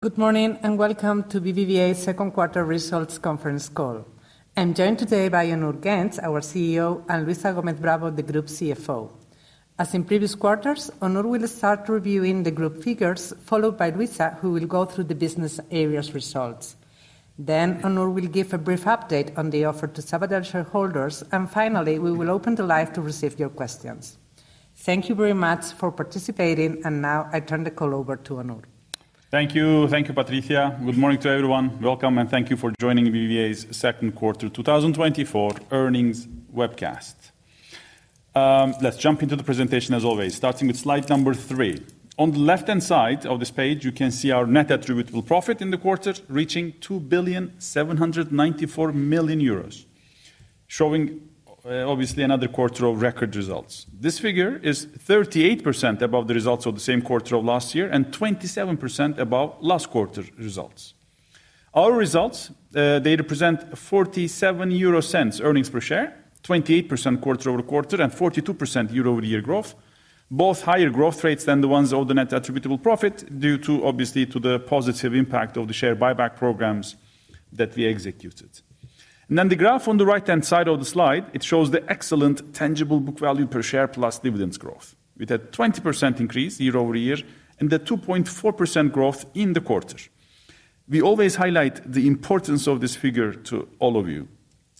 Good morning and welcome to BBVA's Second Quarter Results Conference Call. I'm joined today by Onur Genç, our CEO, and Luisa Gómez Bravo, the Group CFO. As in previous quarters, Onur will start reviewing the Group figures, followed by Luisa, who will go through the Business Areas results. Then Onur will give a brief update on the offer to Sabadell shareholders, and finally, we will open the line to receive your questions. Thank you very much for participating, and now I turn the call over to Onur. Thank you. Thank you, Patricia. Good morning to everyone. Welcome, and thank you for joining BBVA's Second Quarter 2024 Earnings Webcast. Let's jump into the presentation as always, starting with slide number three. On the left-hand side of this page, you can see our net attributable profit in the quarter reaching 2,794 million euros, showing obviously another quarter of record results. This figure is 38% above the results of the same quarter of last year and 27% above last quarter results. Our results, they represent 47 euro earnings per share, 28% quarter-over-quarter, and 42% year-over-year growth, both higher growth rates than the ones of the net attributable profit due to obviously the positive impact of the share buyback programs that we executed. And then the graph on the right-hand side of the slide, it shows the excellent tangible book value per share plus dividends growth. We had a 20% increase year-over-year and a 2.4% growth in the quarter. We always highlight the importance of this figure to all of you.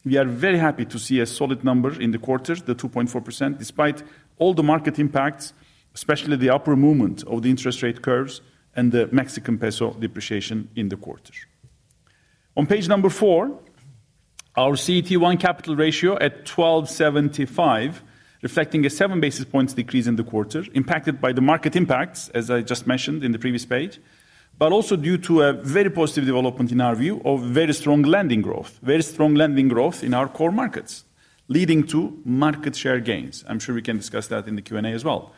We are very happy to see a solid number in the quarter, the 2.4%, despite all the market impacts, especially the upper movement of the interest rate curves and the Mexican peso depreciation in the quarter. On page four, our CET1 capital ratio at 12.75, reflecting a seven basis points decrease in the quarter, impacted by the market impacts, as I just mentioned in the previous page, but also due to a very positive development in our view of very strong lending growth, very strong lending growth in our core markets, leading to market share gains. I'm sure we can discuss that in the Q&A as well.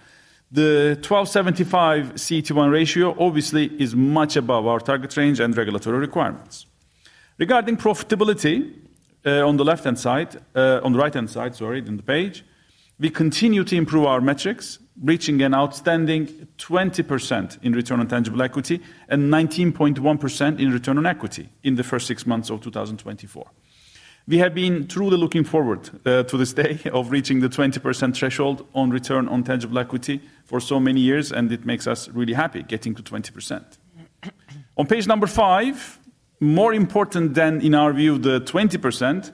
The 12.75 CET1 ratio obviously is much above our target range and regulatory requirements. Regarding profitability on the left-hand side, on the right-hand side, sorry, in the page, we continue to improve our metrics, reaching an outstanding 20% in return on tangible equity and 19.1% in return on equity in the first six months of 2024. We have been truly looking forward to this day of reaching the 20% threshold on return on tangible equity for so many years, and it makes us really happy getting to 20%. On page five, more important than in our view, the 20%,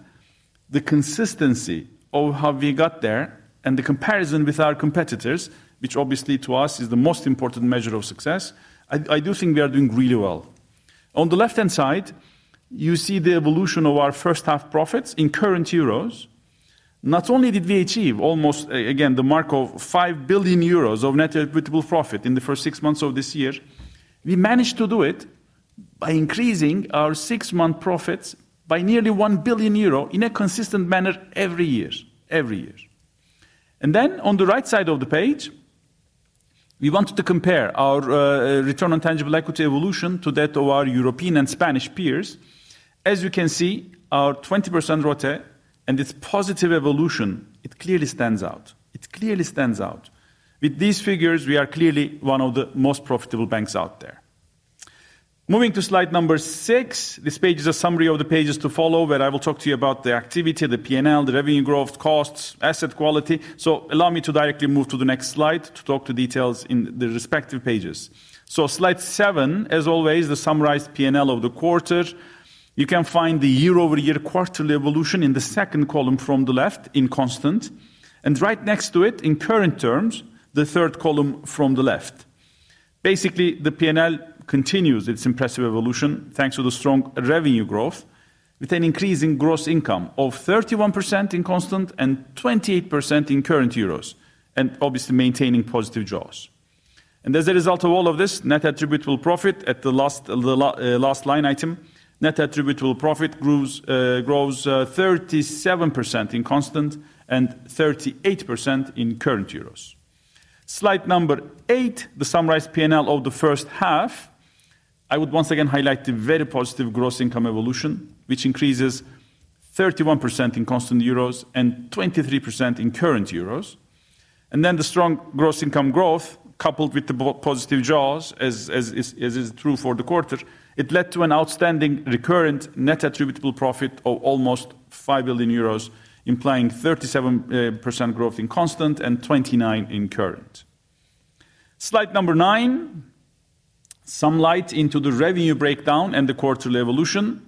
the consistency of how we got there and the comparison with our competitors, which obviously to us is the most important measure of success, I do think we are doing really well. On the left-hand side, you see the evolution of our first half profits in current EUR. Not only did we achieve almost, again, the mark of 5 billion euros of net attributable profit in the first six months of this year, we managed to do it by increasing our six-month profits by nearly 1 billion euro in a consistent manner every year, every year. Then on the right side of the page, we wanted to compare our return on tangible equity evolution to that of our European and Spanish peers. As you can see, our 20% ROTE and its positive evolution, it clearly stands out. It clearly stands out. With these figures, we are clearly one of the most profitable banks out there. Moving to slide number six, this page is a summary of the pages to follow where I will talk to you about the activity, the P&L, the revenue growth, costs, asset quality. So allow me to directly move to the next slide to talk to details in the respective pages. So slide seven, as always, the summarized P&L of the quarter. You can find the year-over-year quarterly evolution in the second column from the left in constant, and right next to it in current terms, the third column from the left. Basically, the P&L continues its impressive evolution thanks to the strong revenue growth with an increase in gross income of 31% in constant and 28% in current euros, and obviously maintaining positive jaws. And as a result of all of this, net attributable profit at the last line item, net attributable profit grows 37% in constant and 38% in current euros. Slide number eight, the summarized P&L of the first half, I would once again highlight the very positive gross income evolution, which increases 31% in constant euros and 23% in current euros. Then the strong gross income growth coupled with the positive jaws, as is true for the quarter, it led to an outstanding recurrent net attributable profit of almost 5 billion euros, implying 37% growth in constant and 29% in current. Slide number nine, some light into the revenue breakdown and the quarterly evolution.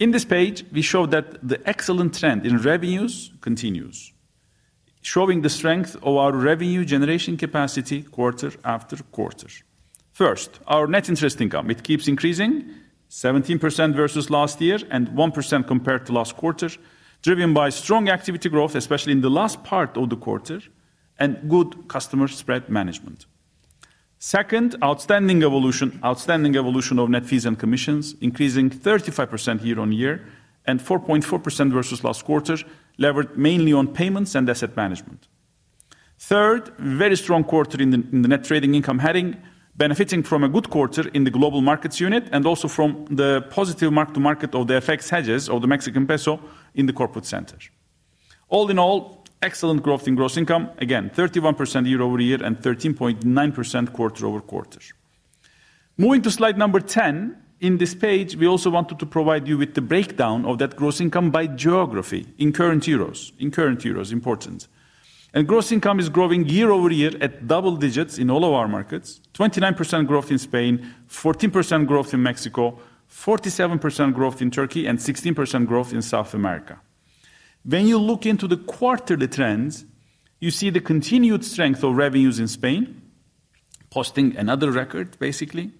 In this page, we show that the excellent trend in revenues continues, showing the strength of our revenue generation capacity quarter after quarter. First, our net interest income, it keeps increasing, 17% versus last year and 1% compared to last quarter, driven by strong activity growth, especially in the last part of the quarter, and good customer spread management. Second, outstanding evolution of net fees and commissions, increasing 35% year-on-year and 4.4% versus last quarter, levered mainly on payments and asset management. Third, very strong quarter in the net trading income heading, benefiting from a good quarter in the global markets unit and also from the positive mark-to-market of the FX hedges of the Mexican peso in the corporate center. All in all, excellent growth in gross income, again, 31% year-over-year and 13.9% quarter-over-quarter. Moving to slide number 10, in this page, we also wanted to provide you with the breakdown of that gross income by geography in current EUR, in current EUR important. Gross income is growing year-over-year at double digits in all of our markets, 29% growth in Spain, 14% growth in Mexico, 47% growth in Turkey, and 16% growth in South America. When you look into the quarterly trends, you see the continued strength of revenues in Spain, posting another record basically.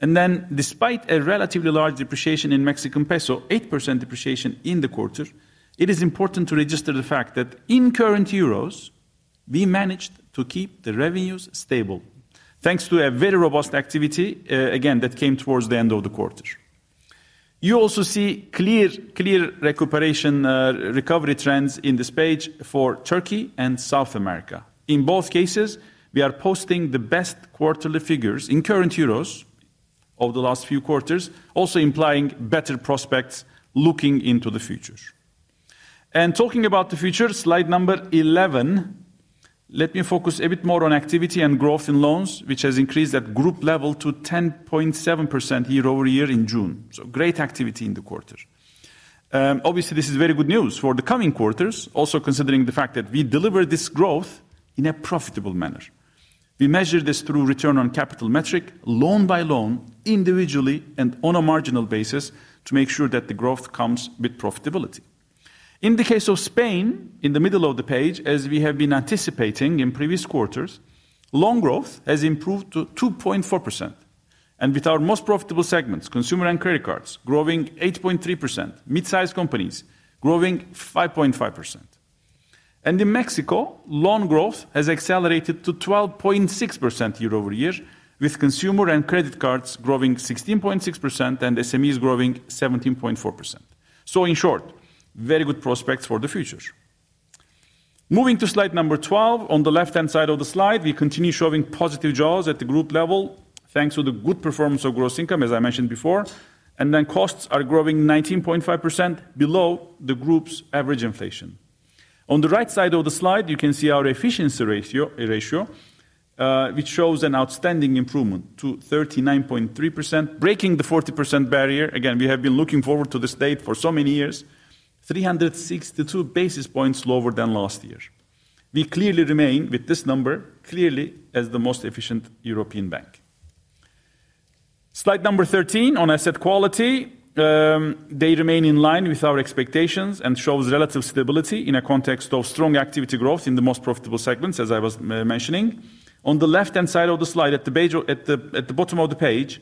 And then despite a relatively large depreciation in Mexican peso, 8% depreciation in the quarter, it is important to register the fact that in current euros, we managed to keep the revenues stable thanks to a very robust activity, again, that came towards the end of the quarter. You also see clear recovery trends in this page for Turkey and South America. In both cases, we are posting the best quarterly figures in current euros of the last few quarters, also implying better prospects looking into the future. And talking about the future, slide number 11, let me focus a bit more on activity and growth in loans, which has increased at group level to 10.7% year-over-year in June. So great activity in the quarter. Obviously, this is very good news for the coming quarters, also considering the fact that we deliver this growth in a profitable manner. We measure this through return on capital metric, loan by loan, individually, and on a marginal basis to make sure that the growth comes with profitability. In the case of Spain, in the middle of the page, as we have been anticipating in previous quarters, loan growth has improved to 2.4%. With our most profitable segments, consumer and credit cards, growing 8.3%, mid-sized companies growing 5.5%. In Mexico, loan growth has accelerated to 12.6% year-over-year, with consumer and credit cards growing 16.6% and SMEs growing 17.4%. In short, very good prospects for the future. Moving to slide 12, on the left-hand side of the slide, we continue showing positive jaws at the group level thanks to the good performance of gross income, as I mentioned before. Then costs are growing 19.5% below the group's average inflation. On the right side of the slide, you can see our efficiency ratio, which shows an outstanding improvement to 39.3%, breaking the 40% barrier. Again, we have been looking forward to this date for so many years, 362 basis points lower than last year. We clearly remain with this number, clearly as the most efficient European bank. Slide 13, on asset quality, they remain in line with our expectations and shows relative stability in a context of strong activity growth in the most profitable segments, as I was mentioning. On the left-hand side of the slide, at the bottom of the page,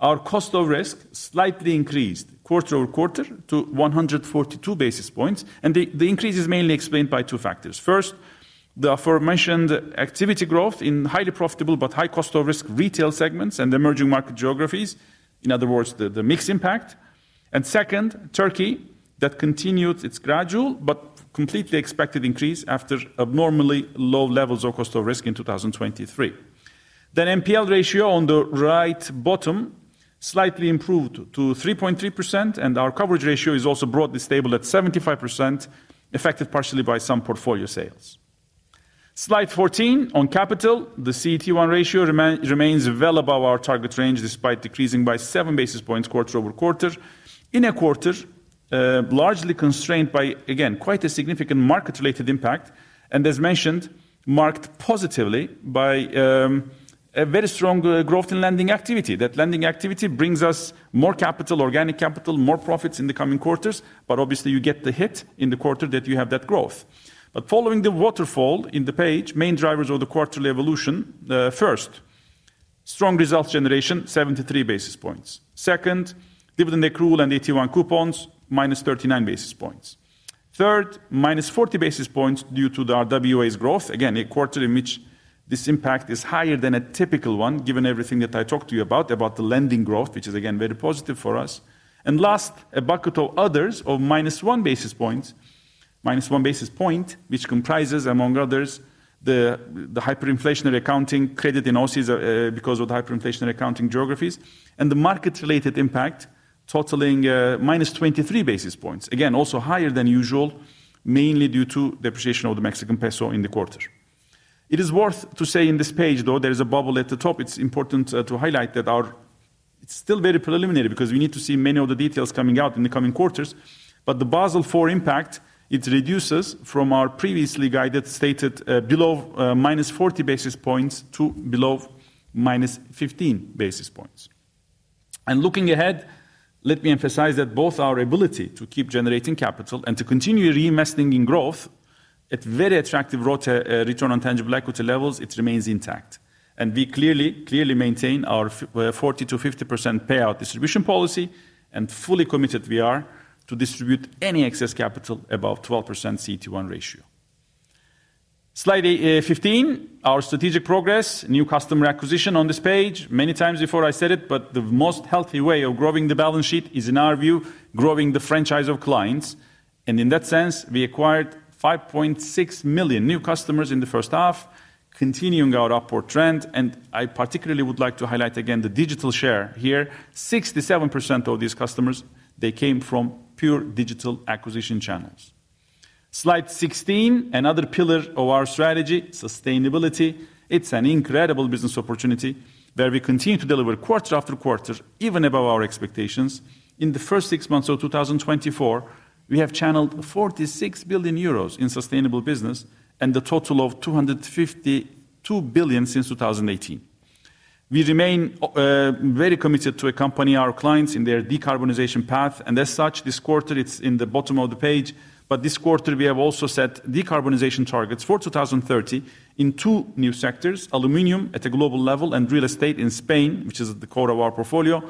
our cost of risk slightly increased quarter-over-quarter to 142 basis points. The increase is mainly explained by two factors. First, the aforementioned activity growth in highly profitable but high cost of risk retail segments and emerging market geographies, in other words, the mixed impact. Second, Turkey that continued its gradual but completely expected increase after abnormally low levels of cost of risk in 2023. The NPL ratio on the right bottom slightly improved to 3.3%, and our coverage ratio is also broadly stable at 75%, affected partially by some portfolio sales. Slide 14, on capital, the CET1 ratio remains well above our target range despite decreasing by seven basis points quarter-over-quarter in a quarter largely constrained by, again, quite a significant market-related impact. As mentioned, marked positively by a very strong growth in lending activity. That lending activity brings us more capital, organic capital, more profits in the coming quarters. But obviously, you get the hit in the quarter that you have that growth. But following the waterfall in the page, main drivers of the quarterly evolution, first, strong results generation, 73 basis points. Second, dividend accrual and AT1 coupons, minus 39 basis points. Third, minus 40 basis points due to the RWA's growth, again, a quarter in which this impact is higher than a typical one given everything that I talked to you about, about the lending growth, which is again very positive for us. And last, a bucket of others of -1 basis points, -1 basis point, which comprises, among others, the hyperinflationary accounting credit in OSI because of the hyperinflationary accounting geographies and the market-related impact totaling -23 basis points, again, also higher than usual, mainly due to depreciation of the Mexican peso in the quarter. It is worth to say in this page, though, there is a bubble at the top. It's important to highlight that our it's still very preliminary because we need to see many of the details coming out in the coming quarters. But the Basel IV impact, it reduces from our previously guided stated below -40 basis points to below -15 basis points. Looking ahead, let me emphasize that both our ability to keep generating capital and to continue reinvesting in growth at very attractive ROTE return on tangible equity levels, it remains intact. We clearly maintain our 40%-50% payout distribution policy and fully committed we are to distribute any excess capital above 12% CET1 ratio. Slide 15, our strategic progress, new customer acquisition on this page. Many times before I said it, but the most healthy way of growing the balance sheet is, in our view, growing the franchise of clients. In that sense, we acquired 5.6 million new customers in the first half, continuing our upward trend. I particularly would like to highlight again the digital share here, 67% of these customers, they came from pure digital acquisition channels. Slide 16, another pillar of our strategy, sustainability. It's an incredible business opportunity where we continue to deliver quarter after quarter, even above our expectations. In the first six months of 2024, we have channeled 46 billion euros in sustainable business and the total of 252 billion since 2018. We remain very committed to accompany our clients in their decarbonization path. And as such, this quarter, it's in the bottom of the page. But this quarter, we have also set decarbonization targets for 2030 in two new sectors, aluminum at a global level and real estate in Spain, which is at the core of our portfolio,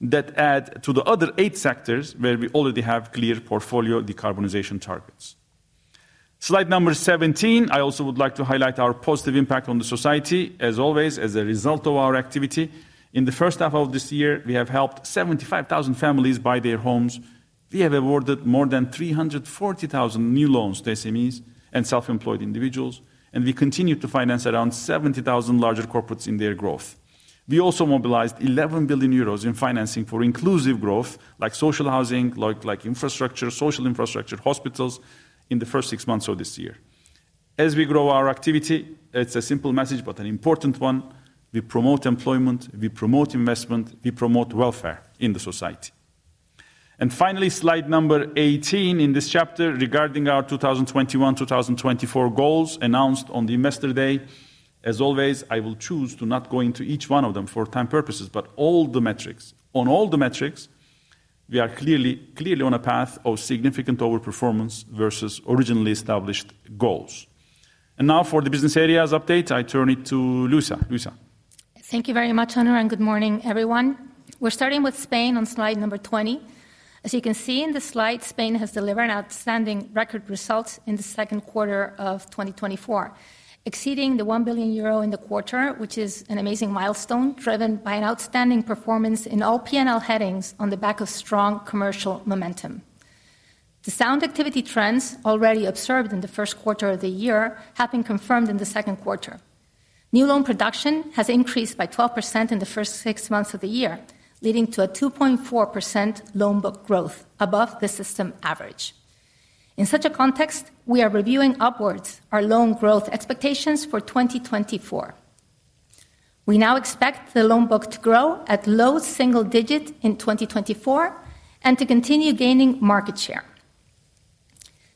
that add to the other eight sectors where we already have clear portfolio decarbonization targets. Slide number 17, I also would like to highlight our positive impact on the society, as always, as a result of our activity. In the first half of this year, we have helped 75,000 families buy their homes. We have awarded more than 340,000 new loans to SMEs and self-employed individuals. And we continue to finance around 70,000 larger corporates in their growth. We also mobilized 11 billion euros in financing for inclusive growth, like social housing, like infrastructure, social infrastructure, hospitals in the first six months of this year. As we grow our activity, it's a simple message, but an important one. We promote employment, we promote investment, we promote welfare in the society. And finally, slide number 18 in this chapter regarding our 2021-2024 goals announced on the investor day. As always, I will choose to not go into each one of them for time purposes, but all the metrics. On all the metrics, we are clearly on a path of significant overperformance versus originally established goals. Now for the business areas update, I turn it to Luisa. Luisa. Thank you very much, Onur, and good morning, everyone. We're starting with Spain on slide number 20. As you can see in the slide, Spain has delivered an outstanding record result in the second quarter of 2024, exceeding 1 billion euro in the quarter, which is an amazing milestone driven by an outstanding performance in all P&L headings on the back of strong commercial momentum. The sound activity trends already observed in the first quarter of the year have been confirmed in the second quarter. New loan production has increased by 12% in the first six months of the year, leading to a 2.4% loan book growth above the system average. In such a context, we are reviewing upwards our loan growth expectations for 2024. We now expect the loan book to grow at low single digit in 2024 and to continue gaining market share.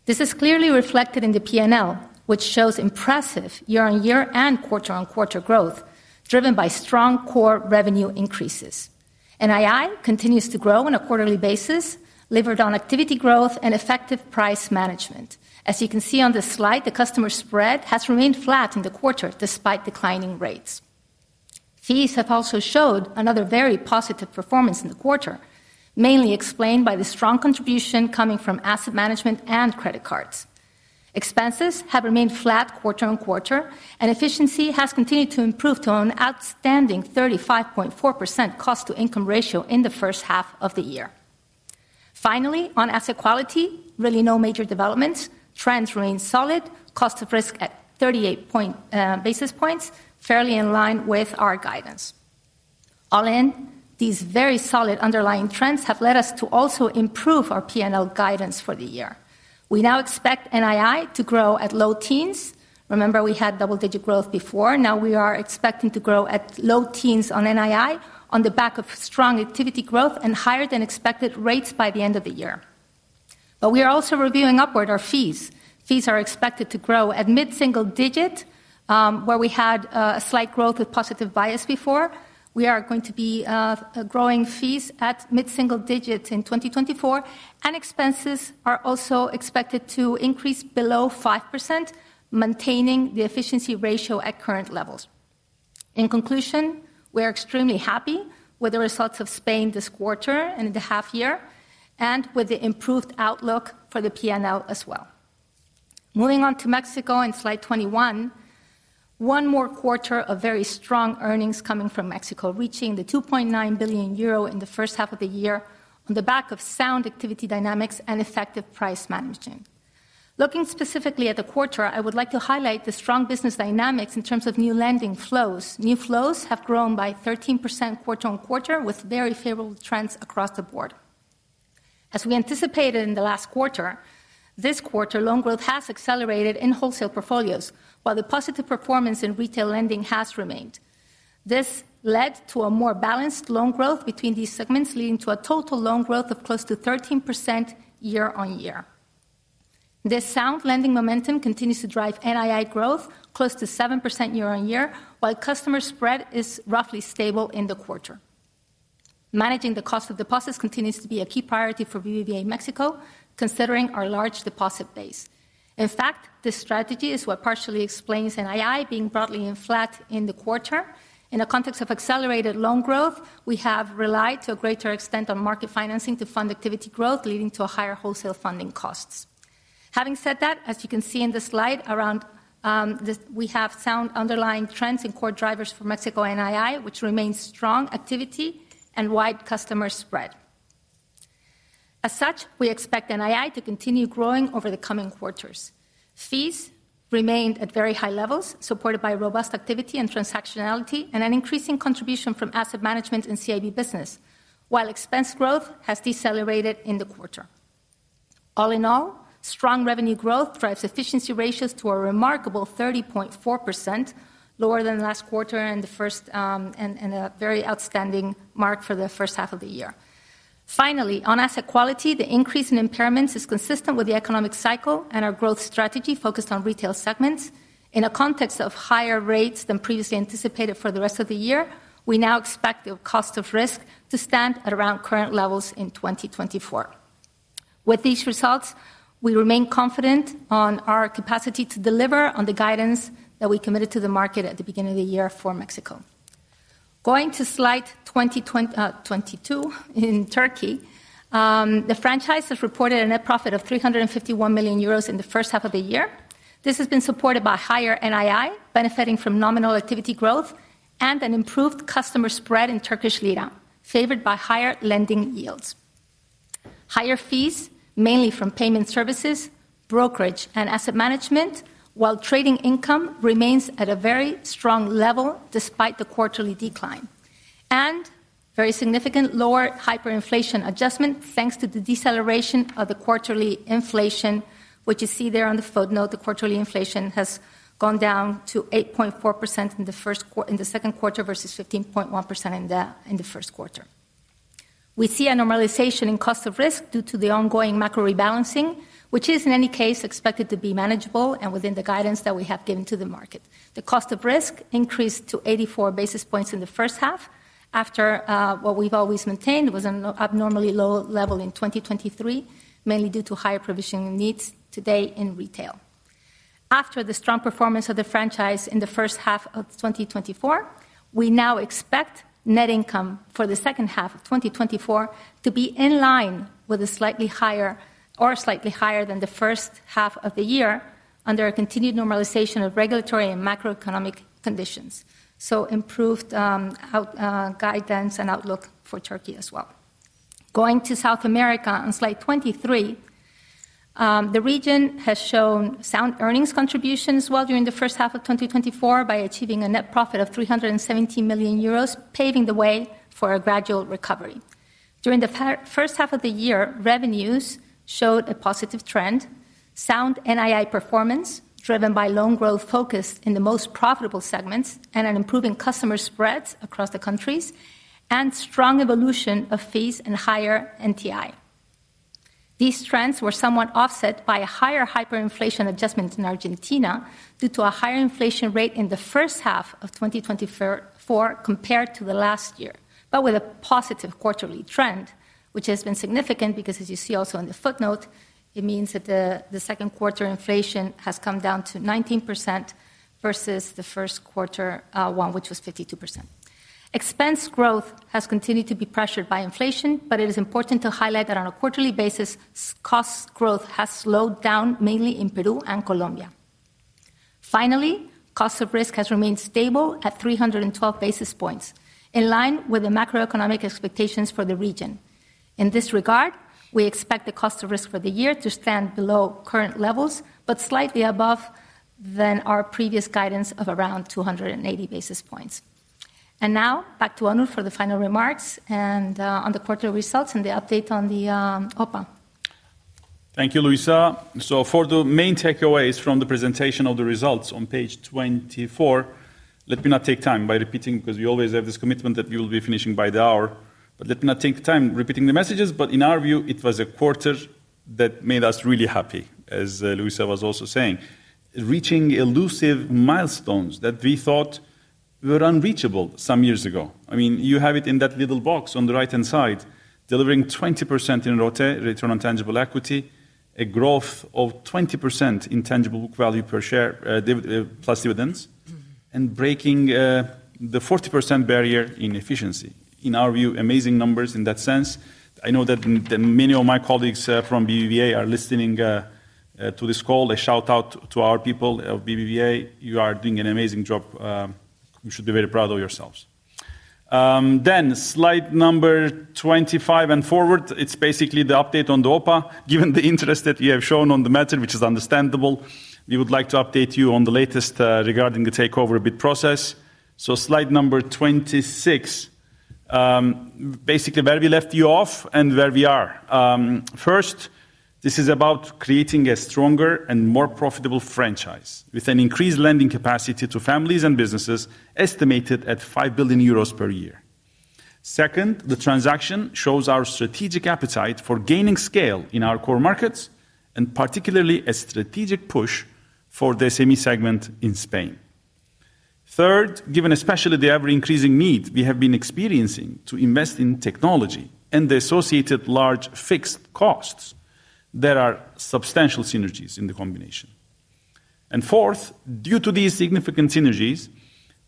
This is clearly reflected in the P&L, which shows impressive year-on-year and quarter-on-quarter growth driven by strong core revenue increases. NII continues to grow on a quarterly basis, levered on activity growth and effective price management. As you can see on the slide, the customer spread has remained flat in the quarter despite declining rates. Fees have also showed another very positive performance in the quarter, mainly explained by the strong contribution coming from asset management and credit cards. Expenses have remained flat quarter-on-quarter, and efficiency has continued to improve to an outstanding 35.4% cost to income ratio in the first half of the year. Finally, on asset quality, really no major developments. Trends remain solid, cost of risk at 38 basis points, fairly in line with our guidance. All in, these very solid underlying trends have led us to also improve our P&L guidance for the year. We now expect NII to grow at low teens. Remember, we had double-digit growth before. Now we are expecting to grow at low teens on NII on the back of strong activity growth and higher than expected rates by the end of the year. But we are also reviewing upward our fees. Fees are expected to grow at mid-single digit, where we had a slight growth with positive bias before. We are going to be growing fees at mid-single digit in 2024, and expenses are also expected to increase below 5%, maintaining the efficiency ratio at current levels. In conclusion, we are extremely happy with the results of Spain this quarter and the half year and with the improved outlook for the P&L as well. Moving on to Mexico and slide 21, one more quarter of very strong earnings coming from Mexico, reaching 2.9 billion euro in the first half of the year on the back of sound activity dynamics and effective price management. Looking specifically at the quarter, I would like to highlight the strong business dynamics in terms of new lending flows. New flows have grown by 13% quarter-on-quarter with very favorable trends across the board. As we anticipated in the last quarter, this quarter, loan growth has accelerated in wholesale portfolios, while the positive performance in retail lending has remained. This led to a more balanced loan growth between these segments, leading to a total loan growth of close to 13% year-on-year. This sound lending momentum continues to drive NII growth close to 7% year-on-year, while customer spread is roughly stable in the quarter. Managing the cost of deposits continues to be a key priority for BBVA Mexico, considering our large deposit base. In fact, this strategy is what partially explains NII being broadly flat in the quarter. In the context of accelerated loan growth, we have relied to a greater extent on market financing to fund activity growth, leading to a higher wholesale funding costs. Having said that, as you can see in the slide, we have sound underlying trends and core drivers for Mexico NII, which remains strong activity and wide customer spread. As such, we expect NII to continue growing over the coming quarters. Fees remained at very high levels, supported by robust activity and transactionality and an increasing contribution from asset management and CIB business, while expense growth has decelerated in the quarter. All in all, strong revenue growth drives efficiency ratios to a remarkable 30.4%, lower than last quarter and the first and a very outstanding mark for the first half of the year. Finally, on asset quality, the increase in impairments is consistent with the economic cycle and our growth strategy focused on retail segments. In a context of higher rates than previously anticipated for the rest of the year, we now expect the cost of risk to stand at around current levels in 2024. With these results, we remain confident on our capacity to deliver on the guidance that we committed to the market at the beginning of the year for Mexico. Going to slide 2022 in Turkey, the franchise has reported a net profit of 351 million euros in the first half of the year. This has been supported by higher NII benefiting from nominal activity growth and an improved customer spread in Turkish lira, favored by higher lending yields. Higher fees, mainly from payment services, brokerage, and asset management, while trading income remains at a very strong level despite the quarterly decline. Very significant lower hyperinflation adjustment thanks to the deceleration of the quarterly inflation, which you see there on the footnote. The quarterly inflation has gone down to 8.4% in the second quarter versus 15.1% in the first quarter. We see a normalization in cost of risk due to the ongoing macro rebalancing, which is in any case expected to be manageable and within the guidance that we have given to the market. The cost of risk increased to 84 basis points in the first half after what we've always maintained was an abnormally low level in 2023, mainly due to higher provisioning needs today in retail. After the strong performance of the franchise in the first half of 2024, we now expect net income for the second half of 2024 to be in line with a slightly higher or slightly higher than the first half of the year under a continued normalization of regulatory and macroeconomic conditions. So improved guidance and outlook for Turkey as well. Going to South America on slide 23, the region has shown sound earnings contributions while during the first half of 2024 by achieving a net profit of 370 million euros, paving the way for a gradual recovery. During the first half of the year, revenues showed a positive trend, sound NII performance driven by loan growth focused in the most profitable segments and an improving customer spreads across the countries and strong evolution of fees and higher NTI. These trends were somewhat offset by a higher hyperinflation adjustment in Argentina due to a higher inflation rate in the first half of 2024 compared to the last year, but with a positive quarterly trend, which has been significant because, as you see also in the footnote, it means that the second quarter inflation has come down to 19% versus the first quarter one, which was 52%. Expense growth has continued to be pressured by inflation, but it is important to highlight that on a quarterly basis, cost growth has slowed down mainly in Peru and Colombia. Finally, cost of risk has remained stable at 312 basis points, in line with the macroeconomic expectations for the region. In this regard, we expect the cost of risk for the year to stand below current levels, but slightly above than our previous guidance of around 280 basis points. Now back to Onur for the final remarks and on the quarterly results and the update on the OPA. Thank you, Luisa. For the main takeaways from the presentation of the results on page 24, let me not take time by repeating because we always have this commitment that we will be finishing by the hour. But let me not take time repeating the messages, but in our view, it was a quarter that made us really happy, as Luisa was also saying, reaching elusive milestones that we thought were unreachable some years ago. I mean, you have it in that little box on the right-hand side, delivering 20% in ROTE return on tangible equity, a growth of 20% in tangible book value per share plus dividends, and breaking the 40% barrier in efficiency. In our view, amazing numbers in that sense. I know that many of my colleagues from BBVA are listening to this call. A shout-out to our people of BBVA. You are doing an amazing job. You should be very proud of yourselves. Then slide number 25 and forward, it's basically the update on the OPA. Given the interest that you have shown on the matter, which is understandable, we would like to update you on the latest regarding the takeover bid process. Slide number 26, basically where we left you off and where we are. First, this is about creating a stronger and more profitable franchise with an increased lending capacity to families and businesses estimated at 5 billion euros per year. Second, the transaction shows our strategic appetite for gaining scale in our core markets and particularly a strategic push for the SME segment in Spain. Third, given especially the ever-increasing need we have been experiencing to invest in technology and the associated large fixed costs, there are substantial synergies in the combination. And fourth, due to these significant synergies,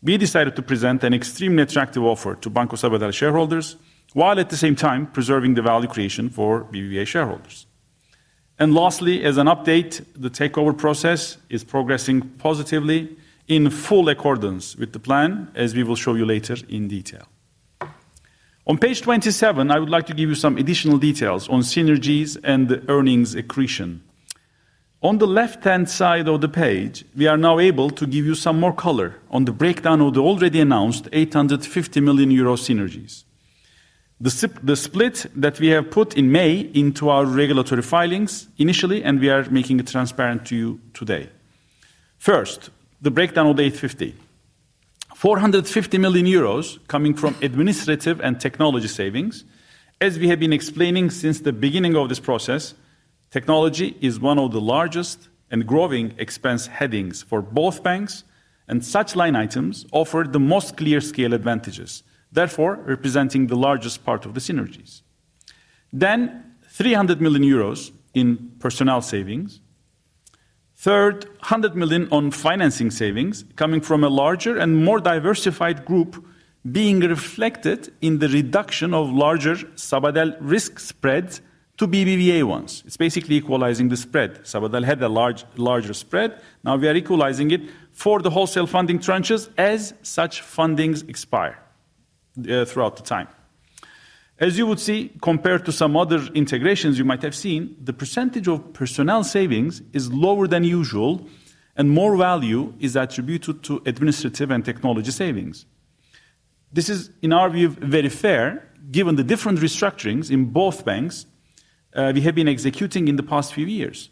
we decided to present an extremely attractive offer to Banco Sabadell shareholders while at the same time preserving the value creation for BBVA shareholders. And lastly, as an update, the takeover process is progressing positively in full accordance with the plan, as we will show you later in detail. On page 27, I would like to give you some additional details on synergies and the earnings accretion. On the left-hand side of the page, we are now able to give you some more color on the breakdown of the already announced 850 million euro synergies. The split that we have put in May into our regulatory filings initially, and we are making it transparent to you today. First, the breakdown of the 850. 450 million euros coming from administrative and technology savings. As we have been explaining since the beginning of this process, technology is one of the largest and growing expense headings for both banks, and such line items offer the most clear scale advantages, therefore representing the largest part of the synergies. Then, 300 million euros in personnel savings. Third, 100 million on financing savings coming from a larger and more diversified group being reflected in the reduction of larger Sabadell risk spreads to BBVA ones. It's basically equalizing the spread. Sabadell had a larger spread. Now we are equalizing it for the wholesale funding tranches as such fundings expire throughout the time. As you would see, compared to some other integrations you might have seen, the percentage of personnel savings is lower than usual, and more value is attributed to administrative and technology savings. This is, in our view, very fair given the different restructurings in both banks we have been executing in the past few years.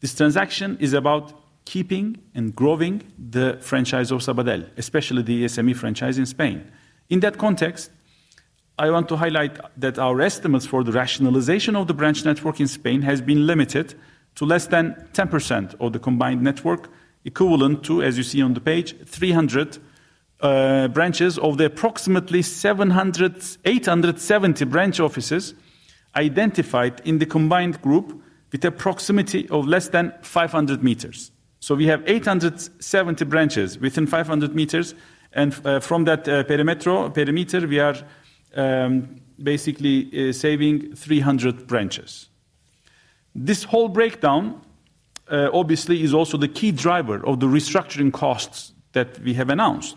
This transaction is about keeping and growing the franchise of Sabadell, especially the SME franchise in Spain. In that context, I want to highlight that our estimates for the rationalization of the branch network in Spain have been limited to less than 10% of the combined network equivalent to, as you see on the page, 300 branches of the approximately 870 branch offices identified in the combined group with a proximity of less than 500 meters. So we have 870 branches within 500 meters, and from that perimeter, we are basically saving 300 branches. This whole breakdown, obviously, is also the key driver of the restructuring costs that we have announced.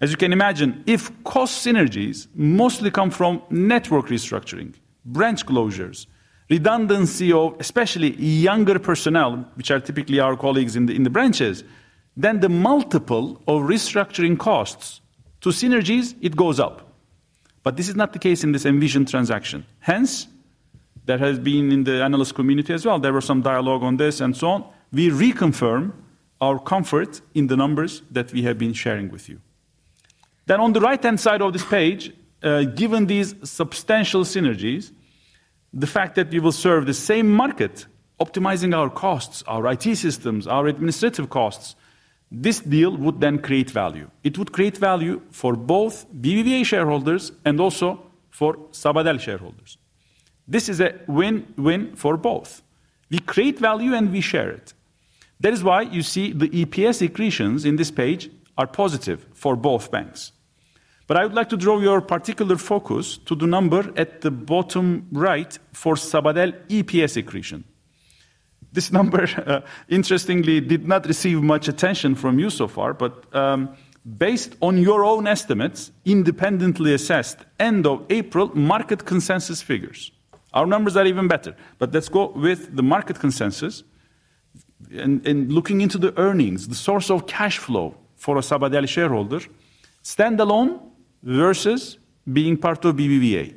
As you can imagine, if cost synergies mostly come from network restructuring, branch closures, redundancy of especially younger personnel, which are typically our colleagues in the branches, then the multiple of restructuring costs to synergies, it goes up. But this is not the case in this envisioned transaction. Hence, there has been in the analyst community as well, there was some dialogue on this and so on. We reconfirm our comfort in the numbers that we have been sharing with you. Then, on the right-hand side of this page, given these substantial synergies, the fact that we will serve the same market, optimizing our costs, our IT systems, our administrative costs, this deal would then create value. It would create value for both BBVA shareholders and also for Sabadell shareholders. This is a win-win for both. We create value and we share it. That is why you see the EPS accretions in this page are positive for both banks. But I would like to draw your particular focus to the number at the bottom right for Sabadell EPS accretion. This number, interestingly, did not receive much attention from you so far, but based on your own estimates, independently assessed end of April market consensus figures. Our numbers are even better, but let's go with the market consensus. And looking into the earnings, the source of cash flow for a Sabadell shareholder, standalone versus being part of BBVA,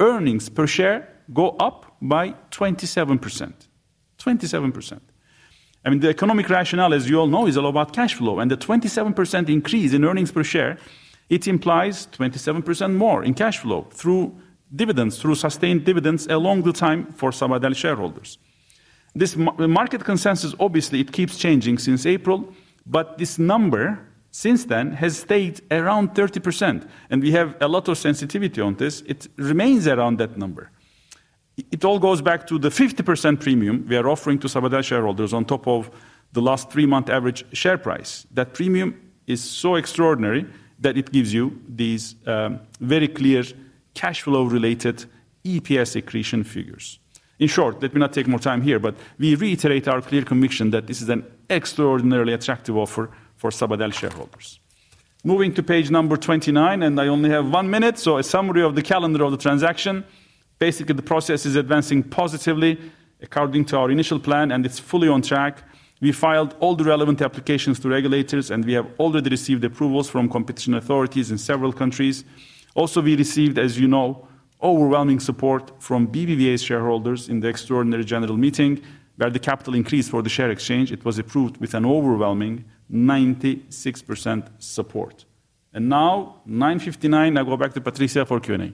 earnings per share go up by 27%. 27%. I mean, the economic rationale, as you all know, is all about cash flow. And the 27% increase in earnings per share, it implies 27% more in cash flow through dividends, through sustained dividends along the time for Sabadell shareholders. This market consensus, obviously, it keeps changing since April, but this number since then has stayed around 30%. We have a lot of sensitivity on this. It remains around that number. It all goes back to the 50% premium we are offering to Sabadell shareholders on top of the last three-month average share price. That premium is so extraordinary that it gives you these very clear cash flow-related EPS accretion figures. In short, let me not take more time here, but we reiterate our clear conviction that this is an extraordinarily attractive offer for Sabadell shareholders. Moving to page 29, and I only have one minute, so a summary of the calendar of the transaction. Basically, the process is advancing positively according to our initial plan, and it's fully on track. We filed all the relevant applications to regulators, and we have already received approvals from competition authorities in several countries. Also, we received, as you know, overwhelming support from BBVA shareholders in the extraordinary general meeting where the capital increase for the share exchange. It was approved with an overwhelming 96% support. Now, 9:59 A.M., I go back to Patricia for Q&A.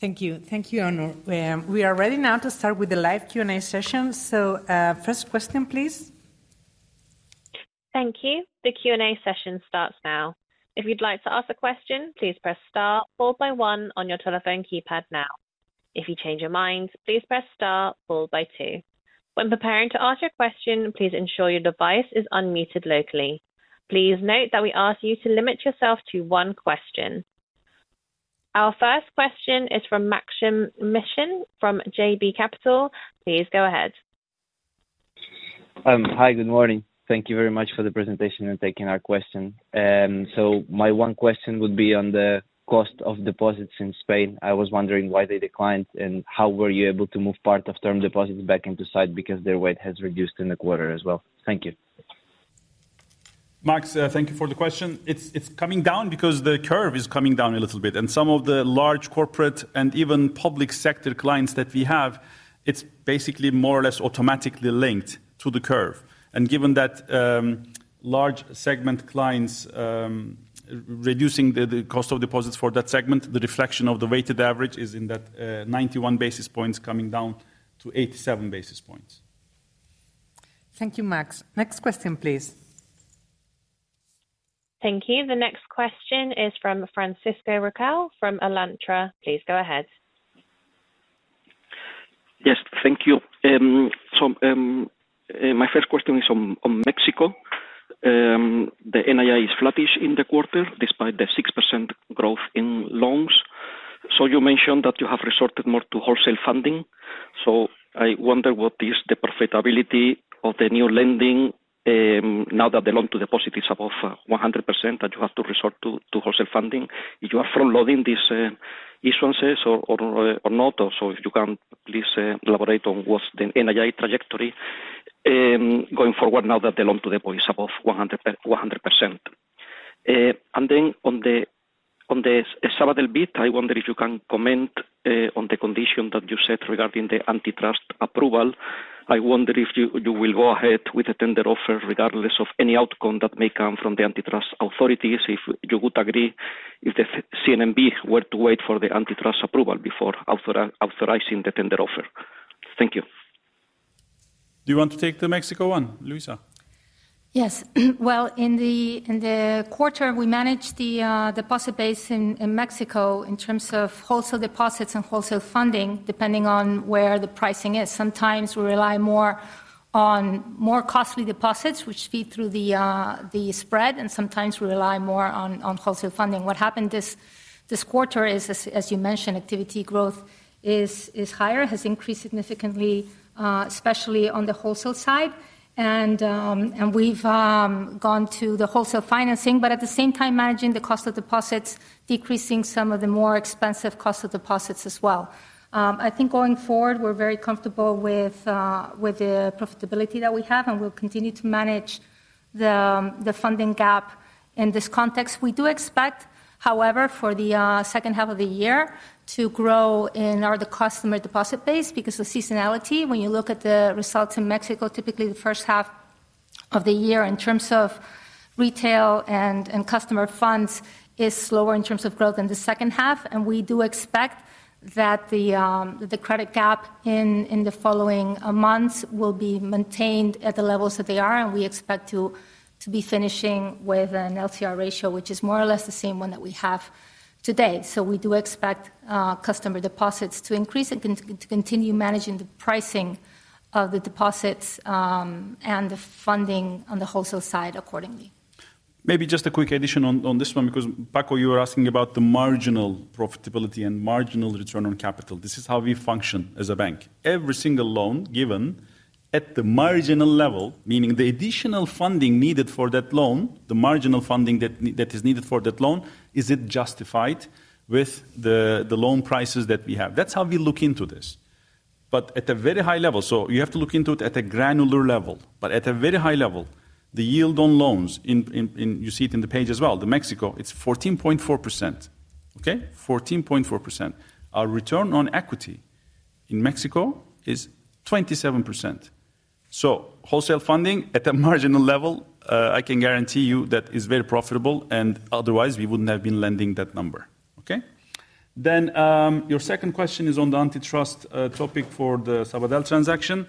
Thank you. Thank you, Onur. We are ready now to start with the live Q&A session. So first question, please. Thank you. The Q&A session starts now. If you'd like to ask a question, please press star one on your telephone keypad now. If you change your mind, please press star two. When preparing to ask your question, please ensure your device is unmuted locally. Please note that we ask you to limit yourself to one question. Our first question is from Maksym Mishyn from JB Capital. Please go ahead. Hi, good morning. Thank you very much for the presentation and taking our question. So my one question would be on the cost of deposits in Spain. I was wondering why they declined and how were you able to move part of term deposits back into sight because their weight has reduced in the quarter as well. Thank you. Maks, thank you for the question. It's coming down because the curve is coming down a little bit. And some of the large corporate and even public sector clients that we have, it's basically more or less automatically linked to the curve. And given that large segment clients reducing the cost of deposits for that segment, the reflection of the weighted average is in that 91 basis points coming down to 87 basis points. Thank you, Maks. Next question, please. Thank you. The next question is from Francisco Riquel from Alantra. Please go ahead. Yes, thank you. So my first question is on Mexico. The NII is flattish in the quarter despite the 6% growth in loans. So you mentioned that you have resorted more to wholesale funding. So I wonder what is the profitability of the new lending now that the loan-to-deposit is above 100% that you have to resort to wholesale funding. If you are front-loading these issuances or not, or so if you can, please elaborate on what's the NII trajectory going forward now that the loan-to-deposit is above 100%. And then on the Sabadell bit, I wonder if you can comment on the condition that you set regarding the antitrust approval. I wonder if you will go ahead with the tender offer regardless of any outcome that may come from the antitrust authorities, if you would agree if the CNMC were to wait for the antitrust approval before authorizing the tender offer. Thank you. Do you want to take the Mexico one, Luisa? Yes. Well, in the quarter, we managed the deposit base in Mexico in terms of wholesale deposits and wholesale funding, depending on where the pricing is. Sometimes we rely more on more costly deposits, which feed through the spread, and sometimes we rely more on wholesale funding. What happened this quarter is, as you mentioned, activity growth is higher, has increased significantly, especially on the wholesale side. We've gone to the wholesale financing, but at the same time, managing the cost of deposits, decreasing some of the more expensive cost of deposits as well. I think going forward, we're very comfortable with the profitability that we have, and we'll continue to manage the funding gap in this context. We do expect, however, for the second half of the year to grow in our customer deposit base because of seasonality. When you look at the results in Mexico, typically the first half of the year in terms of retail and customer funds is slower in terms of growth in the second half. We do expect that the credit gap in the following months will be maintained at the levels that they are, and we expect to be finishing with an LTD ratio, which is more or less the same one that we have today. We do expect customer deposits to increase and to continue managing the pricing of the deposits and the funding on the wholesale side accordingly. Maybe just a quick addition on this one because Paco, you were asking about the marginal profitability and marginal return on capital. This is how we function as a bank. Every single loan given at the marginal level, meaning the additional funding needed for that loan, the marginal funding that is needed for that loan, is it justified with the loan prices that we have? That's how we look into this. But at a very high level, so you have to look into it at a granular level, but at a very high level, the yield on loans, you see it in the page as well, in Mexico, it's 14.4%. Okay? 14.4%. Our return on equity in Mexico is 27%. So wholesale funding at a marginal level, I can guarantee you that is very profitable, and otherwise, we wouldn't have been lending that number. Okay? Then your second question is on the antitrust topic for the Sabadell transaction.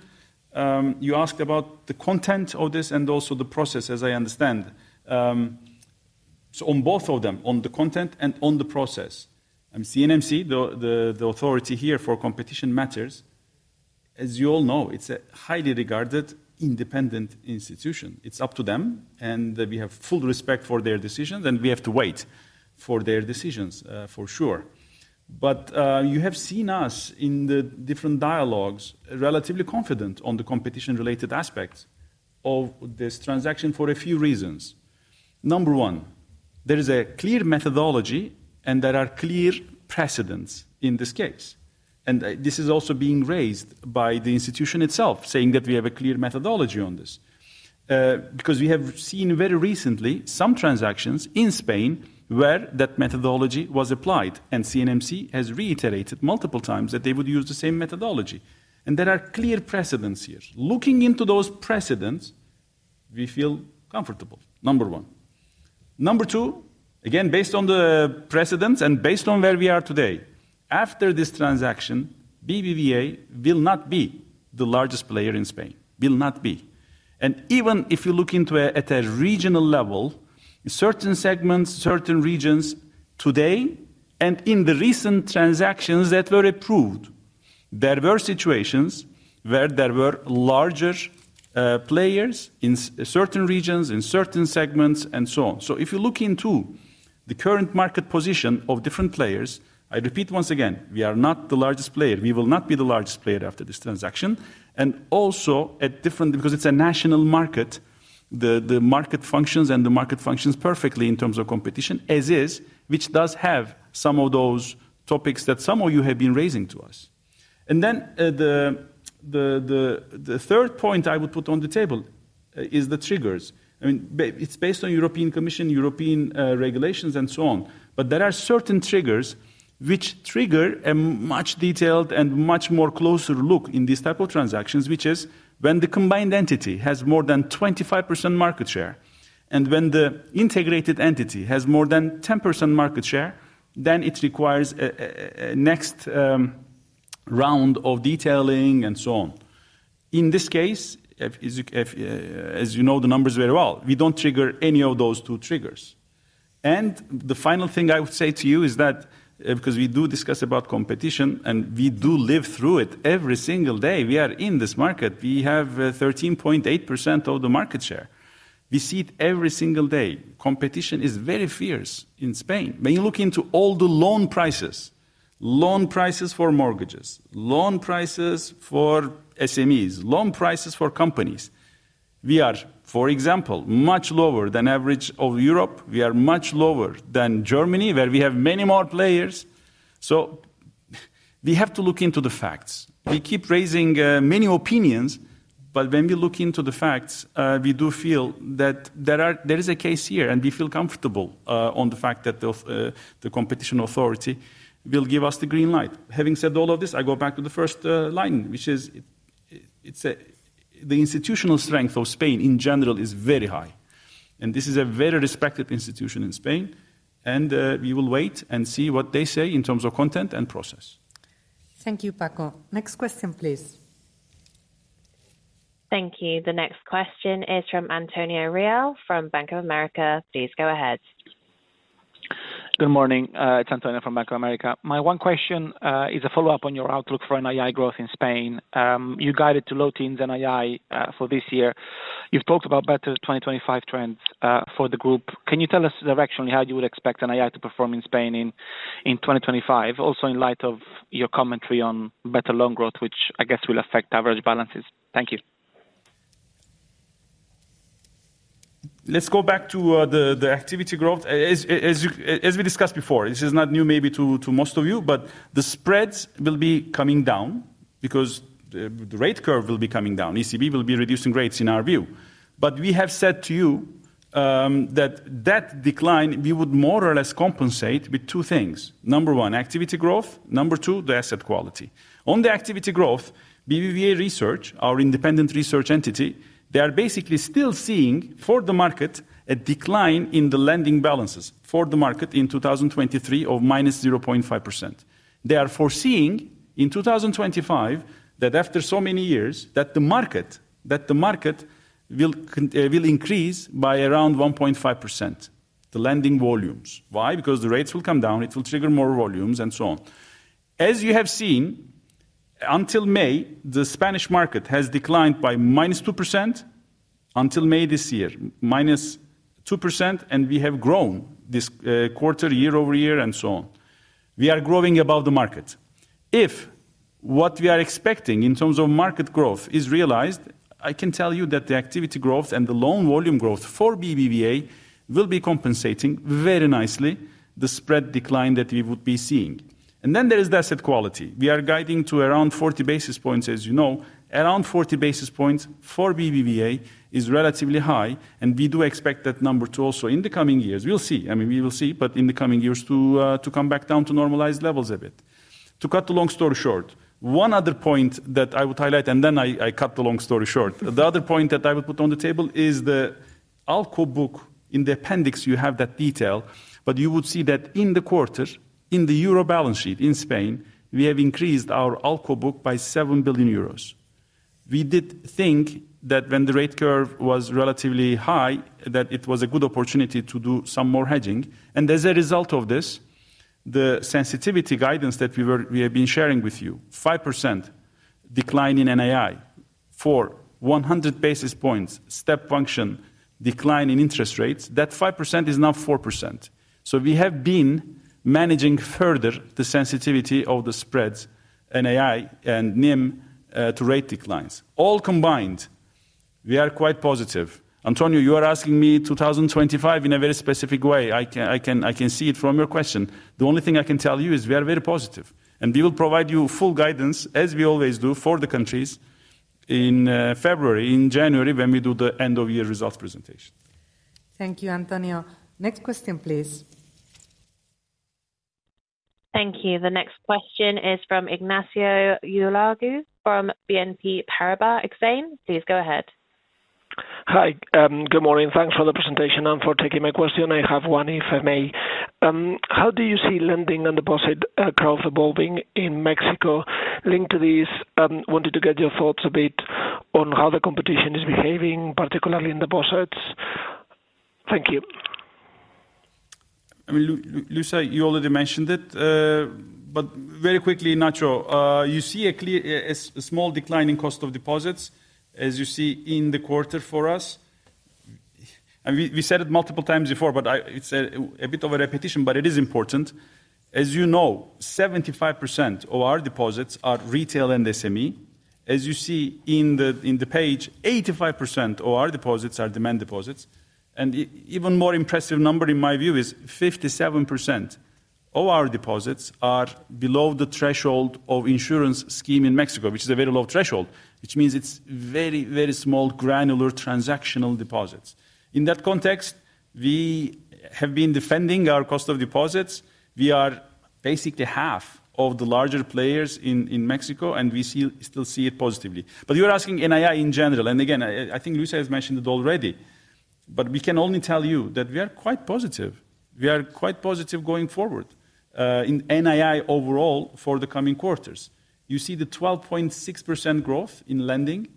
You asked about the content of this and also the process, as I understand. So on both of them, on the content and on the process, CNMC, the authority here for competition matters. As you all know, it's a highly regarded independent institution. It's up to them, and we have full respect for their decisions, and we have to wait for their decisions, for sure. But you have seen us in the different dialogues relatively confident on the competition-related aspects of this transaction for a few reasons. Number one, there is a clear methodology, and there are clear precedents in this case. And this is also being raised by the institution itself, saying that we have a clear methodology on this. Because we have seen very recently some transactions in Spain where that methodology was applied, and CNMC has reiterated multiple times that they would use the same methodology. There are clear precedents here. Looking into those precedents, we feel comfortable, number one. Number two, again, based on the precedents and based on where we are today, after this transaction, BBVA will not be the largest player in Spain, will not be. And even if you look into it at a regional level, in certain segments, certain regions, today, and in the recent transactions that were approved, there were situations where there were larger players in certain regions, in certain segments, and so on. So if you look into the current market position of different players, I repeat once again, we are not the largest player. We will not be the largest player after this transaction. And also at different, because it's a national market, the market functions and the market functions perfectly in terms of competition, as is, which does have some of those topics that some of you have been raising to us. And then the third point I would put on the table is the triggers. I mean, it's based on European Commission, European regulations, and so on. But there are certain triggers which trigger a much detailed and much more closer look in these type of transactions, which is when the combined entity has more than 25% market share. And when the integrated entity has more than 10% market share, then it requires a next round of detailing and so on. In this case, as you know the numbers very well, we don't trigger any of those two triggers. The final thing I would say to you is that because we do discuss about competition and we do live through it every single day, we are in this market, we have 13.8% of the market share. We see it every single day. Competition is very fierce in Spain. When you look into all the loan prices, loan prices for mortgages, loan prices for SMEs, loan prices for companies, we are, for example, much lower than average of Europe. We are much lower than Germany, where we have many more players. So we have to look into the facts. We keep raising many opinions, but when we look into the facts, we do feel that there is a case here, and we feel comfortable on the fact that the competition authority will give us the green light. Having said all of this, I go back to the first line, which is the institutional strength of Spain in general is very high. And this is a very respected institution in Spain. And we will wait and see what they say in terms of content and process. Thank you, Paco. Next question, please. Thank you. The next question is from Antonio Reale from Bank of America. Please go ahead. Good morning. It's Antonio from Bank of America. My one question is a follow-up on your outlook for NII growth in Spain. You guided to low teens NII for this year. You've talked about better 2025 trends for the group. Can you tell us directionally how you would expect NII to perform in Spain in 2025, also in light of your commentary on better loan growth, which I guess will affect average balances? Thank you. Let's go back to the activity growth. As we discussed before, this is not new maybe to most of you, but the spreads will be coming down because the rate curve will be coming down. ECB will be reducing rates in our view. But we have said to you that that decline, we would more or less compensate with two things. Number one, activity growth. Number two, the asset quality. On the activity growth, BBVA Research, our independent research entity, they are basically still seeing for the market a decline in the lending balances for the market in 2023 of -0.5%. They are foreseeing in 2025 that after so many years, that the market will increase by around 1.5%, the lending volumes. Why? Because the rates will come down, it will trigger more volumes, and so on. As you have seen, until May, the Spanish market has declined by -2% until May this year, -2%, and we have grown this quarter year-over-year and so on. We are growing above the market. If what we are expecting in terms of market growth is realized, I can tell you that the activity growth and the loan volume growth for BBVA will be compensating very nicely the spread decline that we would be seeing. And then there is the asset quality. We are guiding to around 40 basis points, as you know. Around 40 basis points for BBVA is relatively high, and we do expect that number to also in the coming years. We'll see. I mean, we will see, but in the coming years to come back down to normalized levels a bit. To cut the long story short, one other point that I would highlight, and then I cut the long story short. The other point that I would put on the table is the ALCO Book. In the appendix, you have that detail, but you would see that in the quarter, in the euro balance sheet in Spain, we have increased our ALCO Book by 7 billion euros. We did think that when the rate curve was relatively high, that it was a good opportunity to do some more hedging. And as a result of this, the sensitivity guidance that we have been sharing with you, 5% decline in NII for 100 basis points step function decline in interest rates, that 5% is now 4%. So we have been managing further the sensitivity of the spreads NII and NIM to rate declines. All combined, we are quite positive. Antonio, you are asking me 2025 in a very specific way. I can see it from your question. The only thing I can tell you is we are very positive. We will provide you full guidance, as we always do, for the countries in February, in January, when we do the end-of-year results presentation. Thank you, Antonio. Next question, please. Thank you. The next question is from Ignacio Ulargui from BNP Paribas Exane. Please go ahead. Hi, good morning. Thanks for the presentation and for taking my question. I have one, if I may. How do you see lending and deposit curve evolving in Mexico linked to these? Wanted to get your thoughts a bit on how the competition is behaving, particularly in deposits. Thank you. Luisa, you already mentioned it, but very quickly, Nacho, you see a small decline in cost of deposits, as you see in the quarter for us. We said it multiple times before, but it's a bit of a repetition, but it is important. As you know, 75% of our deposits are retail and SME. As you see in the page, 85% of our deposits are demand deposits. Even more impressive number in my view is 57% of our deposits are below the threshold of insurance scheme in Mexico, which is a very low threshold, which means it's very, very small granular transactional deposits. In that context, we have been defending our cost of deposits. We are basically half of the larger players in Mexico, and we still see it positively. But you're asking NII in general. Again, I think Luisa has mentioned it already, but we can only tell you that we are quite positive. We are quite positive going forward in NII overall for the coming quarters. You see the 12.6% growth in lending.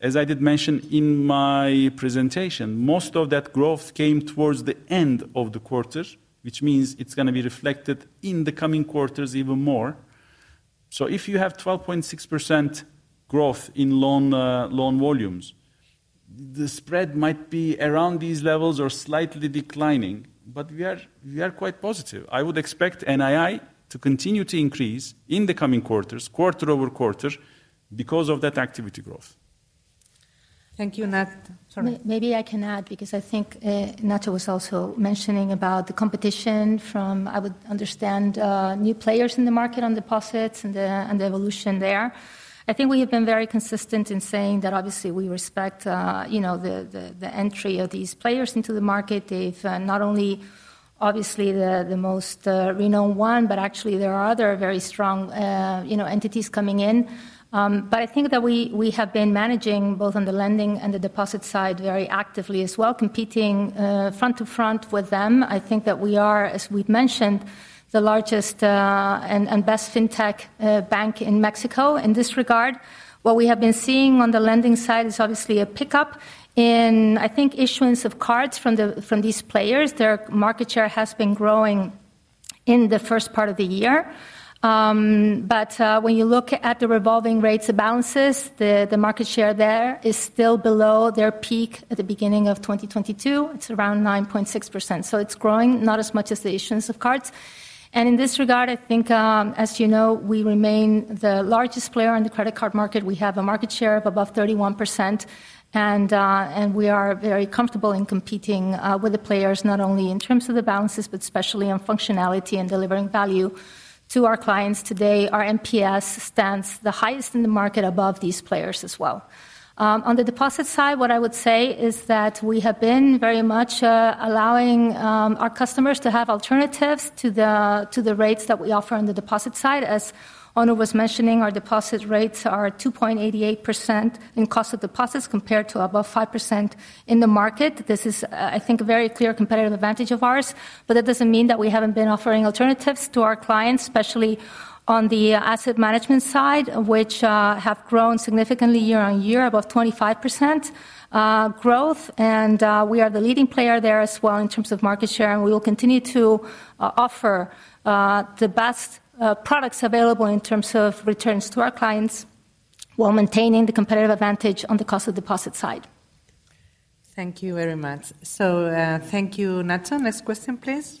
As I did mention in my presentation, most of that growth came towards the end of the quarter, which means it's going to be reflected in the coming quarters even more. So if you have 12.6% growth in loan volumes, the spread might be around these levels or slightly declining, but we are quite positive. I would expect NII to continue to increase in the coming quarters, quarter-over-quarter, because of that activity growth. Thank you. Maybe I can add because I think Ignacio was also mentioning about the competition from, I would understand, new players in the market on deposits and the evolution there. I think we have been very consistent in saying that obviously we respect the entry of these players into the market. They've not only obviously the most renowned one, but actually there are other very strong entities coming in. But I think that we have been managing both on the lending and the deposit side very actively as well, competing front to front with them. I think that we are, as we've mentioned, the largest and best fintech bank in Mexico in this regard. What we have been seeing on the lending side is obviously a pickup in, I think, issuance of cards from these players. Their market share has been growing in the first part of the year. But when you look at the revolving rates of balances, the market share there is still below their peak at the beginning of 2022. It's around 9.6%. So it's growing, not as much as the issuance of cards. And in this regard, I think, as you know, we remain the largest player on the credit card market. We have a market share of above 31%, and we are very comfortable in competing with the players, not only in terms of the balances, but especially on functionality and delivering value to our clients today. Our NPS stands the highest in the market above these players as well. On the deposit side, what I would say is that we have been very much allowing our customers to have alternatives to the rates that we offer on the deposit side. As Onur was mentioning, our deposit rates are 2.88% in cost of deposits compared to above 5% in the market. This is, I think, a very clear competitive advantage of ours. But that doesn't mean that we haven't been offering alternatives to our clients, especially on the asset management side, which have grown significantly year-on-year, above 25% growth. And we are the leading player there as well in terms of market share. And we will continue to offer the best products available in terms of returns to our clients while maintaining the competitive advantage on the cost of deposit side. Thank you very much. So thank you, Nacio. Next question, please.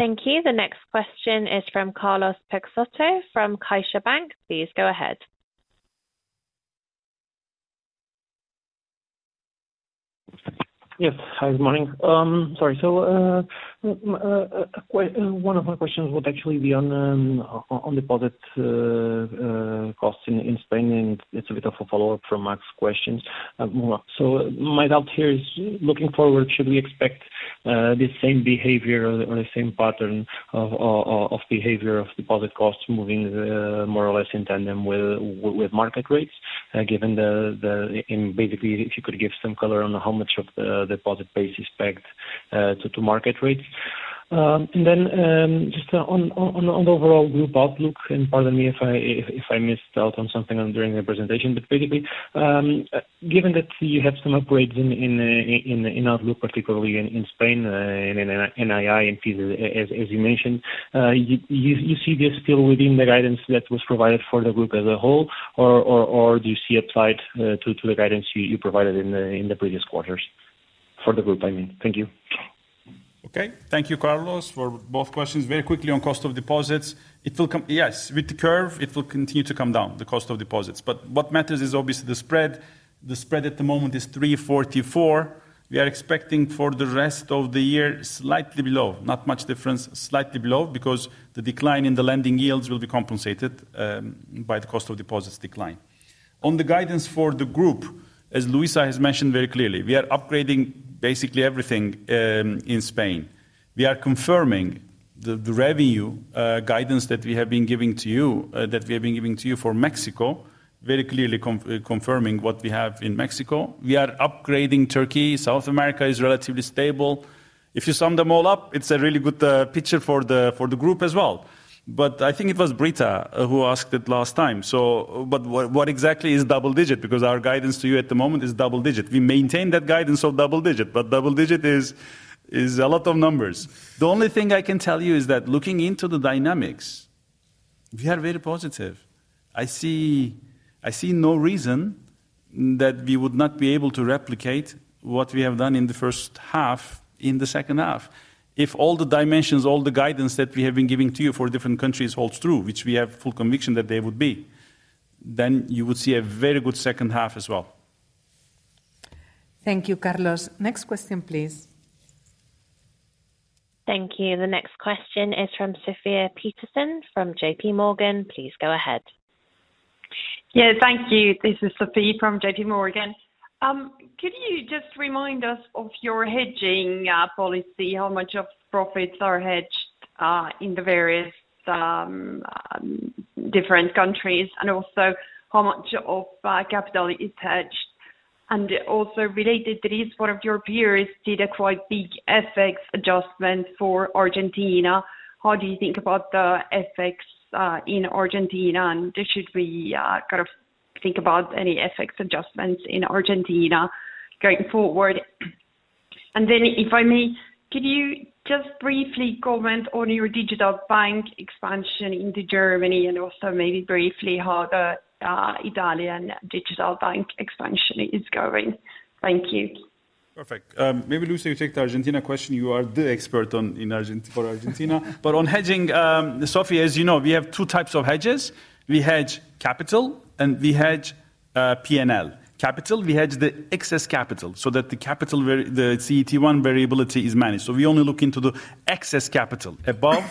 Thank you. The next question is from Carlos Peixoto from CaixaBank. Please go ahead. Yes. Hi, good morning. Sorry. So one of my questions would actually be on deposit costs in Spain. And it's a bit of a follow-up from Max's questions. So my doubt here is looking forward, should we expect the same behavior or the same pattern of behavior of deposit costs moving more or less in tandem with market rates, given the, basically, if you could give some color on how much of the deposit base is pegged to market rates. And then just on the overall group outlook, and pardon me if I missed out on something during the presentation, but basically, given that you have some upgrades in outlook, particularly in Spain, in NII and PISA, as you mentioned, you see this still within the guidance that was provided for the group as a whole, or do you see a slide to the guidance you provided in the previous quarters for the group, I mean? Thank you. Okay. Thank you, Carlos, for both questions. Very quickly on cost of deposits. Yes, with the curve, it will continue to come down, the cost of deposits. But what matters is obviously the spread. The spread at the moment is 3.44. We are expecting for the rest of the year slightly below, not much difference, slightly below, because the decline in the lending yields will be compensated by the cost of deposits decline. On the guidance for the group, as Luisa has mentioned very clearly, we are upgrading basically everything in Spain. We are confirming the revenue guidance that we have been giving to you, that we have been giving to you for Mexico, very clearly confirming what we have in Mexico. We are upgrading Turkey. South America is relatively stable. If you sum them all up, it's a really good picture for the group as well. But I think it was Britta who asked it last time. But what exactly is double digit? Because our guidance to you at the moment is double digit. We maintain that guidance of double digit, but double digit is a lot of numbers. The only thing I can tell you is that looking into the dynamics, we are very positive. I see no reason that we would not be able to replicate what we have done in the first half in the second half. If all the dimensions, all the guidance that we have been giving to you for different countries holds true, which we have full conviction that they would be, then you would see a very good second half as well. Thank you, Carlos. Next question, please. Thank you. The next question is from Sofie Peterzens from J.P. Morgan. Please go ahead. Yeah, thank you. This is Sofie from J.P. Morgan. Could you just remind us of your hedging policy, how much of profits are hedged in the various different countries, and also how much of capital is hedged? And also related, there is one of your peers did a quite big FX adjustment for Argentina. How do you think about the FX in Argentina? And should we kind of think about any FX adjustments in Argentina going forward? And then, if I may, could you just briefly comment on your digital bank expansion into Germany and also maybe briefly how the Italian digital bank expansion is going? Thank you. Perfect. Maybe, Luisa, you take the Argentina question. You are the expert for Argentina. But on hedging, Sofie, as you know, we have two types of hedges. We hedge capital, and we hedge P&L. Capital, we hedge the excess capital so that the capital, the CET1 variability is managed. We only look into the excess capital. Above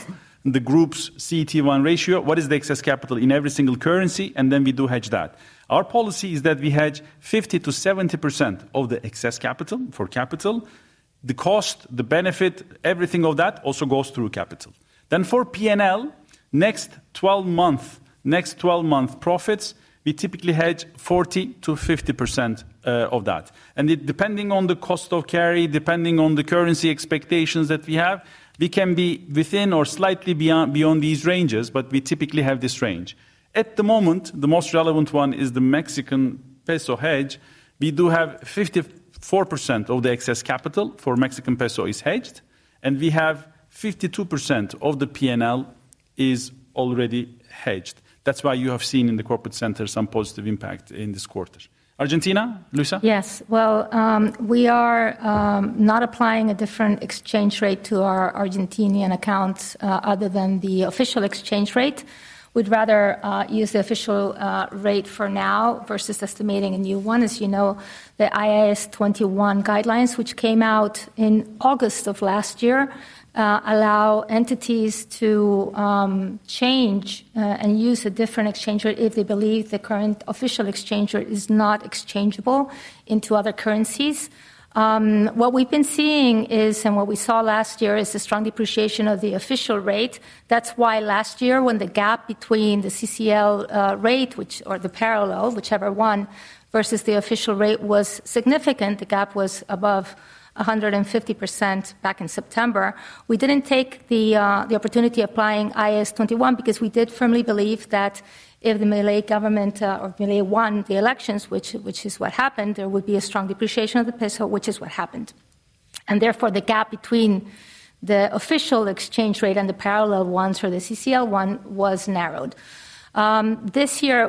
the group's CET1 ratio, what is the excess capital in every single currency? And then we do hedge that. Our policy is that we hedge 50%-70% of the excess capital for capital. The cost, the benefit, everything of that also goes through capital. Then for P&L, next 12 months, next 12 months profits, we typically hedge 40%-50% of that. And depending on the cost of carry, depending on the currency expectations that we have, we can be within or slightly beyond these ranges, but we typically have this range. At the moment, the most relevant one is the Mexican peso hedge. We do have 54% of the excess capital for Mexican peso is hedged, and we have 52% of the P&L is already hedged. That's why you have seen in the corporate center some positive impact in this quarter. Argentina, Luisa? Yes. Well, we are not applying a different exchange rate to our Argentinian accounts other than the official exchange rate. We'd rather use the official rate for now versus estimating a new one. As you know, the IAS 21 guidelines, which came out in August of last year, allow entities to change and use a different exchange rate if they believe the current official exchange rate is not exchangeable into other currencies. What we've been seeing is, and what we saw last year is the strong depreciation of the official rate. That's why last year, when the gap between the CCL rate, which or the parallel, whichever one, versus the official rate was significant, the gap was above 150% back in September. We didn't take the opportunity applying IAS 21 because we did firmly believe that if the Milei government or Milei won the elections, which is what happened, there would be a strong depreciation of the peso, which is what happened. And therefore, the gap between the official exchange rate and the parallel one or the CCL one was narrowed. This year,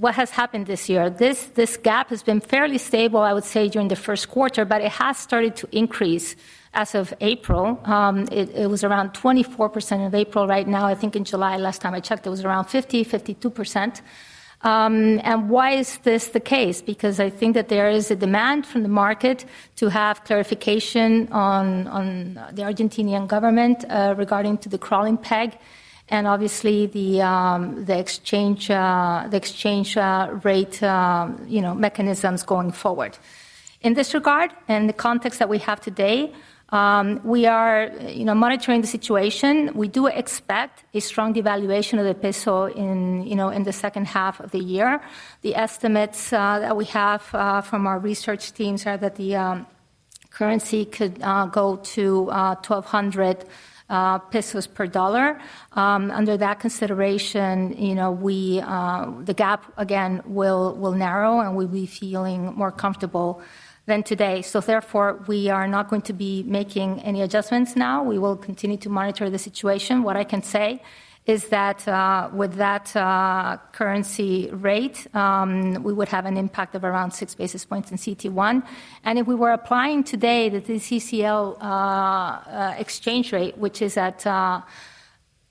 what has happened this year? This gap has been fairly stable, I would say, during the first quarter, but it has started to increase as of April. It was around 24% in April. Right now, I think in July, last time I checked, it was around 50%, 52%. And why is this the case? Because I think that there is a demand from the market to have clarification on the Argentinian government regarding the crawling peg and obviously the exchange rate mechanisms going forward. In this regard, and the context that we have today, we are monitoring the situation. We do expect a strong devaluation of the peso in the second half of the year. The estimates that we have from our research teams are that the currency could go to 1,200 pesos per dollar. Under that consideration, the gap, again, will narrow and we'll be feeling more comfortable than today. So therefore, we are not going to be making any adjustments now. We will continue to monitor the situation. What I can say is that with that currency rate, we would have an impact of around six basis points in CET1. And if we were applying today the CCL exchange rate, which is at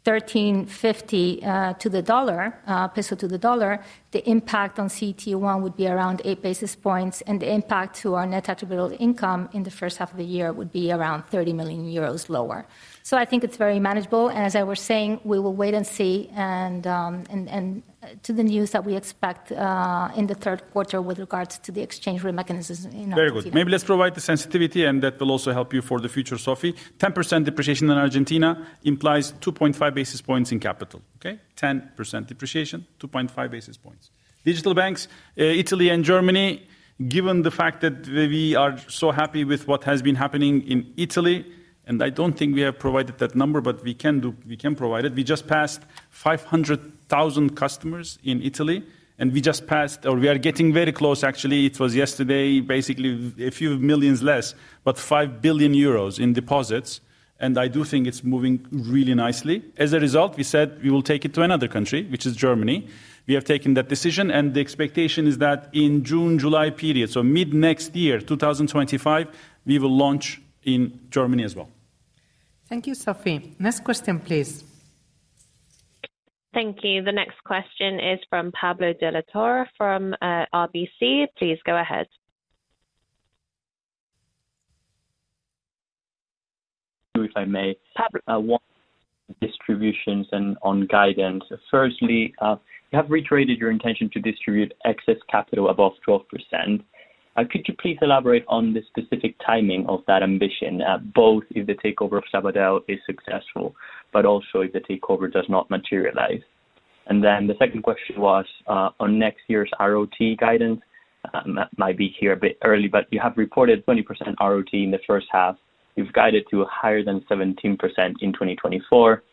1,350 to the dollar, peso to the dollar, the impact on CET1 would be around eight basis points. The impact to our net attributable income in the first half of the year would be around 30 million euros lower. So I think it's very manageable. And as I was saying, we will wait and see and to the news that we expect in the third quarter with regards to the exchange rate mechanism in Argentina. Very good. Maybe let's provide the sensitivity and that will also help you for the future, Sofi. 10% depreciation in Argentina implies 2.5 basis points in capital. Okay? 10% depreciation, 2.5 basis points. Digital banks, Italy and Germany, given the fact that we are so happy with what has been happening in Italy, and I don't think we have provided that number, but we can provide it. We just passed 500,000 customers in Italy, and we just passed, or we are getting very close, actually. It was yesterday, basically a few million less, but 5 billion euros in deposits. And I do think it's moving really nicely. As a result, we said we will take it to another country, which is Germany. We have taken that decision, and the expectation is that in June, July period, so mid next year, 2025, we will launch in Germany as well. Thank you, Sofie. Next question, please. Thank you. The next question is from Pablo De La Torre from RBC. Please go ahead. If I may. Pablo. Distributions and on guidance. Firstly, you have reiterated your intention to distribute excess capital above 12%. Could you please elaborate on the specific timing of that ambition, both if the takeover of Sabadell is successful, but also if the takeover does not materialize? And then the second question was on next year's ROTE guidance. Might be here a bit early, but you have reported 20% ROTE in the first half. You've guided to higher than 17% in 2024.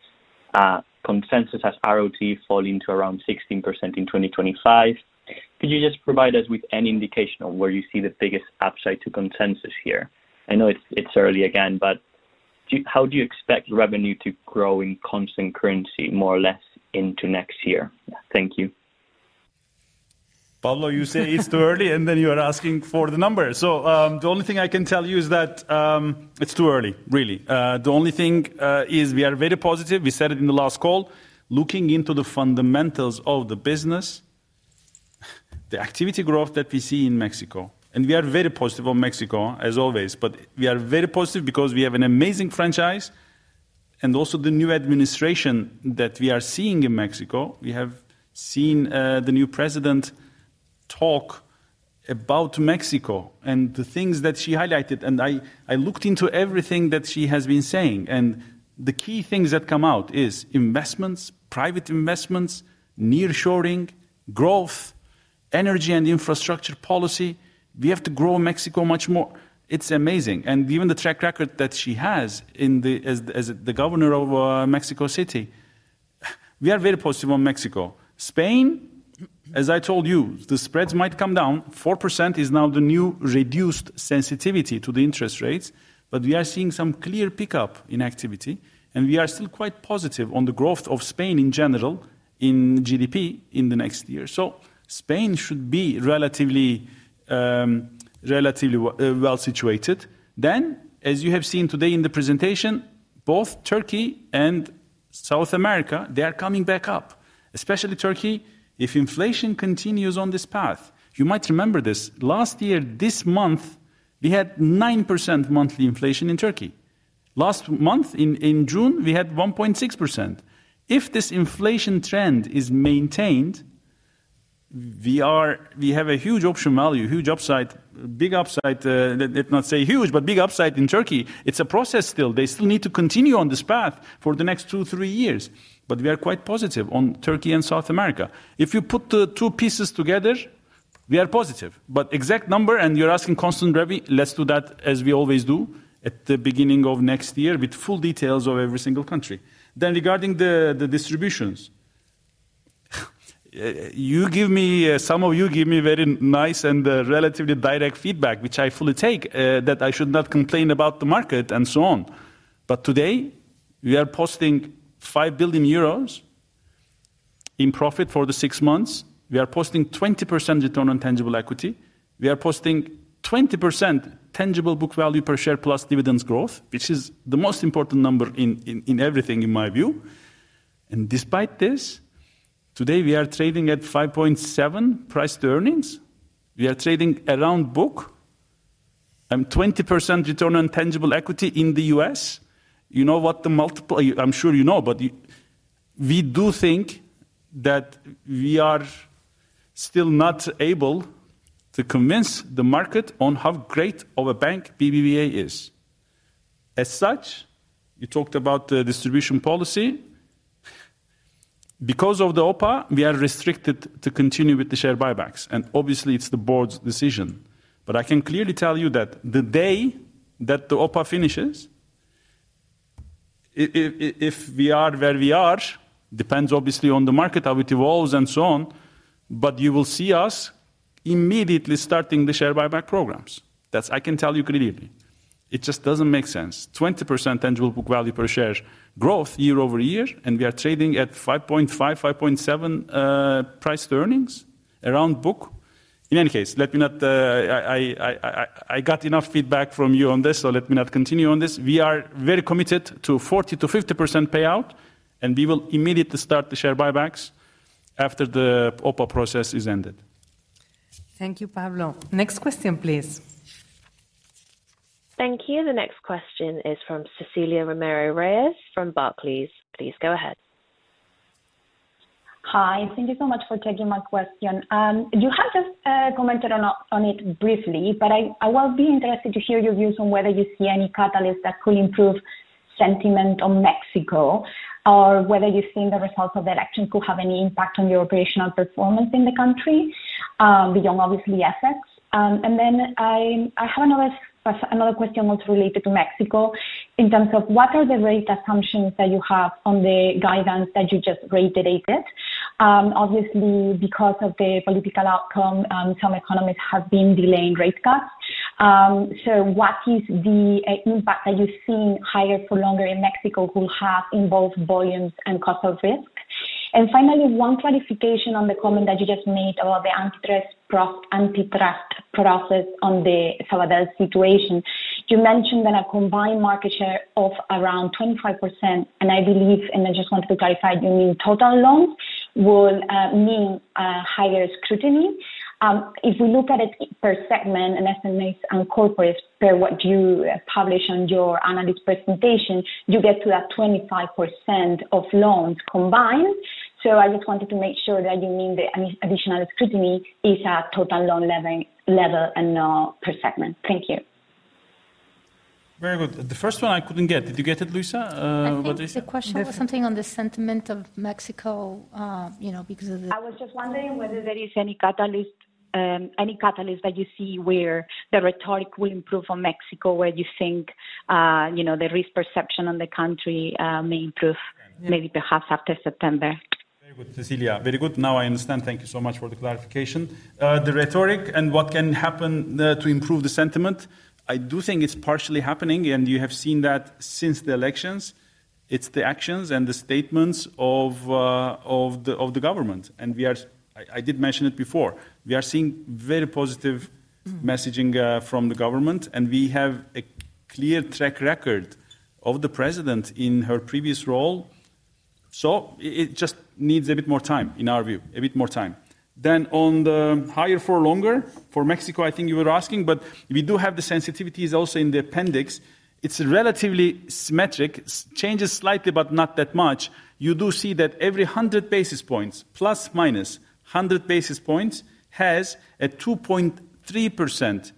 Consensus has ROTE falling to around 16% in 2025. Could you just provide us with any indication of where you see the biggest upside to consensus here? I know it's early again, but how do you expect revenue to grow in constant currency more or less into next year? Thank you. Pablo, you say it's too early, and then you are asking for the number. So the only thing I can tell you is that it's too early, really. The only thing is we are very positive. We said it in the last call. Looking into the fundamentals of the business, the activity growth that we see in Mexico, and we are very positive on Mexico, as always, but we are very positive because we have an amazing franchise and also the new administration that we are seeing in Mexico. We have seen the new president talk about Mexico and the things that she highlighted. I looked into everything that she has been saying. The key things that come out is investments, private investments, nearshoring, growth, energy, and infrastructure policy. We have to grow Mexico much more. It's amazing. Given the track record that she has as the governor of Mexico City, we are very positive on Mexico. Spain, as I told you, the spreads might come down. 4% is now the new reduced sensitivity to the interest rates, but we are seeing some clear pickup in activity. We are still quite positive on the growth of Spain in general in GDP in the next year. So Spain should be relatively well situated. Then, as you have seen today in the presentation, both Turkey and South America, they are coming back up, especially Turkey. If inflation continues on this path, you might remember this. Last year, this month, we had 9% monthly inflation in Turkey. Last month, in June, we had 1.6%. If this inflation trend is maintained, we have a huge option value, huge upside, big upside, let's not say huge, but big upside in Turkey. It's a process still. They still need to continue on this path for the next two, three years. But we are quite positive on Turkey and South America. If you put the two pieces together, we are positive. But exact number, and you're asking constant revenue, let's do that as we always do at the beginning of next year with full details of every single country. Then regarding the distributions, you give me, some of you give me very nice and relatively direct feedback, which I fully take, that I should not complain about the market and so on. But today, we are posting 5 billion euros in profit for the six months. We are posting 20% return on tangible equity. We are posting 20% tangible book value per share plus dividends growth, which is the most important number in everything, in my view. And despite this, today we are trading at 5.7 price to earnings. We are trading around book. I'm 20% return on tangible equity in the US. You know what the multiple, I'm sure you know, but we do think that we are still not able to convince the market on how great of a bank BBVA is. As such, you talked about the distribution policy. Because of the OPA, we are restricted to continue with the share buybacks. And obviously, it's the board's decision. But I can clearly tell you that the day that the OPA finishes, if we are where we are, depends obviously on the market, how it evolves and so on, but you will see us immediately starting the share buyback programs. That's I can tell you clearly. It just doesn't make sense. 20% tangible book value per share growth year-over-year, and we are trading at 5.5-5.7 price to earnings around book. In any case, let me not. I got enough feedback from you on this, so let me not continue on this. We are very committed to 40%-50% payout, and we will immediately start the share buybacks after the OPA process is ended. Thank you, Pablo. Next question, please. Thank you. The next question is from Cecilia Romero Reyes from Barclays. Please go ahead. Hi. Thank you so much for taking my question. You have just commented on it briefly, but I will be interested to hear your views on whether you see any catalyst that could improve sentiment on Mexico or whether you think the results of the election could have any impact on your operational performance in the country beyond, obviously, ethics. Then I have another question also related to Mexico in terms of what are the rate assumptions that you have on the guidance that you just rated. Obviously, because of the political outcome, some economists have been delaying rate cuts. So what is the impact that you've seen higher for longer in Mexico will have in both volumes and cost of risk? And finally, one clarification on the comment that you just made about the antitrust process on the Sabadell situation. You mentioned that a combined market share of around 25%, and I believe, and I just wanted to clarify, you mean total loans will mean higher scrutiny. If we look at it per segment, and SMEs and corporates per what you published on your analyst presentation, you get to that 25% of loans combined. So I just wanted to make sure that you mean the additional scrutiny is at total loan level and not per segment. Thank you. Very good. The first one I couldn't get. Did you get it, Luisa? What is it? The question was something on the sentiment of Mexico because of the. I was just wondering whether there is any catalyst that you see where the rhetoric will improve on Mexico, where you think the risk perception on the country may improve, maybe perhaps after September. Very good, Cecilia. Very good. Now I understand. Thank you so much for the clarification. The rhetoric and what can happen to improve the sentiment, I do think it's partially happening, and you have seen that since the elections. It's the actions and the statements of the government. I did mention it before. We are seeing very positive messaging from the government, and we have a clear track record of the president in her previous role. So it just needs a bit more time, in our view, a bit more time. Then on the higher for longer for Mexico, I think you were asking, but we do have the sensitivities also in the appendix. It's relatively symmetric, changes slightly, but not that much. You do see that every 100 basis points, plus minus 100 basis points, has a 2.3%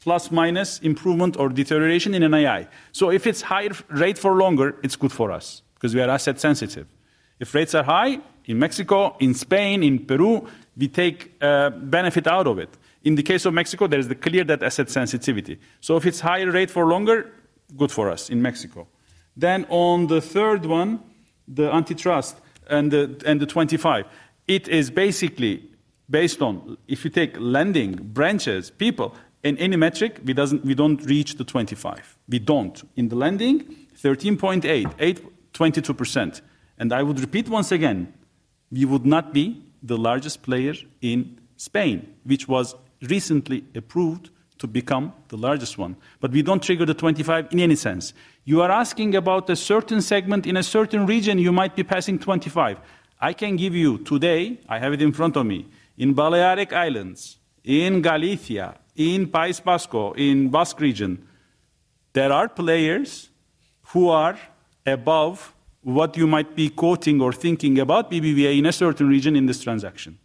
plus minus improvement or deterioration in NAI. So if it's higher rate for longer, it's good for us because we are asset sensitive. If rates are high in Mexico, in Spain, in Peru, we take benefit out of it. In the case of Mexico, there is the clear net asset sensitivity. So if it's higher rate for longer, good for us in Mexico. Then on the third one, the antitrust and the 25, it is basically based on if you take lending branches, people, in any metric, we don't reach the 25. We don't. In the lending, 13.8, 22%. And I would repeat once again, we would not be the largest player in Spain, which was recently approved to become the largest one. But we don't trigger the 25 in any sense. You are asking about a certain segment in a certain region, you might be passing 25. I can give you today, I have it in front of me, in Balearic Islands, in Galicia, in País Vasco, in Basque region, there are players who are above what you might be quoting or thinking about BBVA in a certain region in this transaction.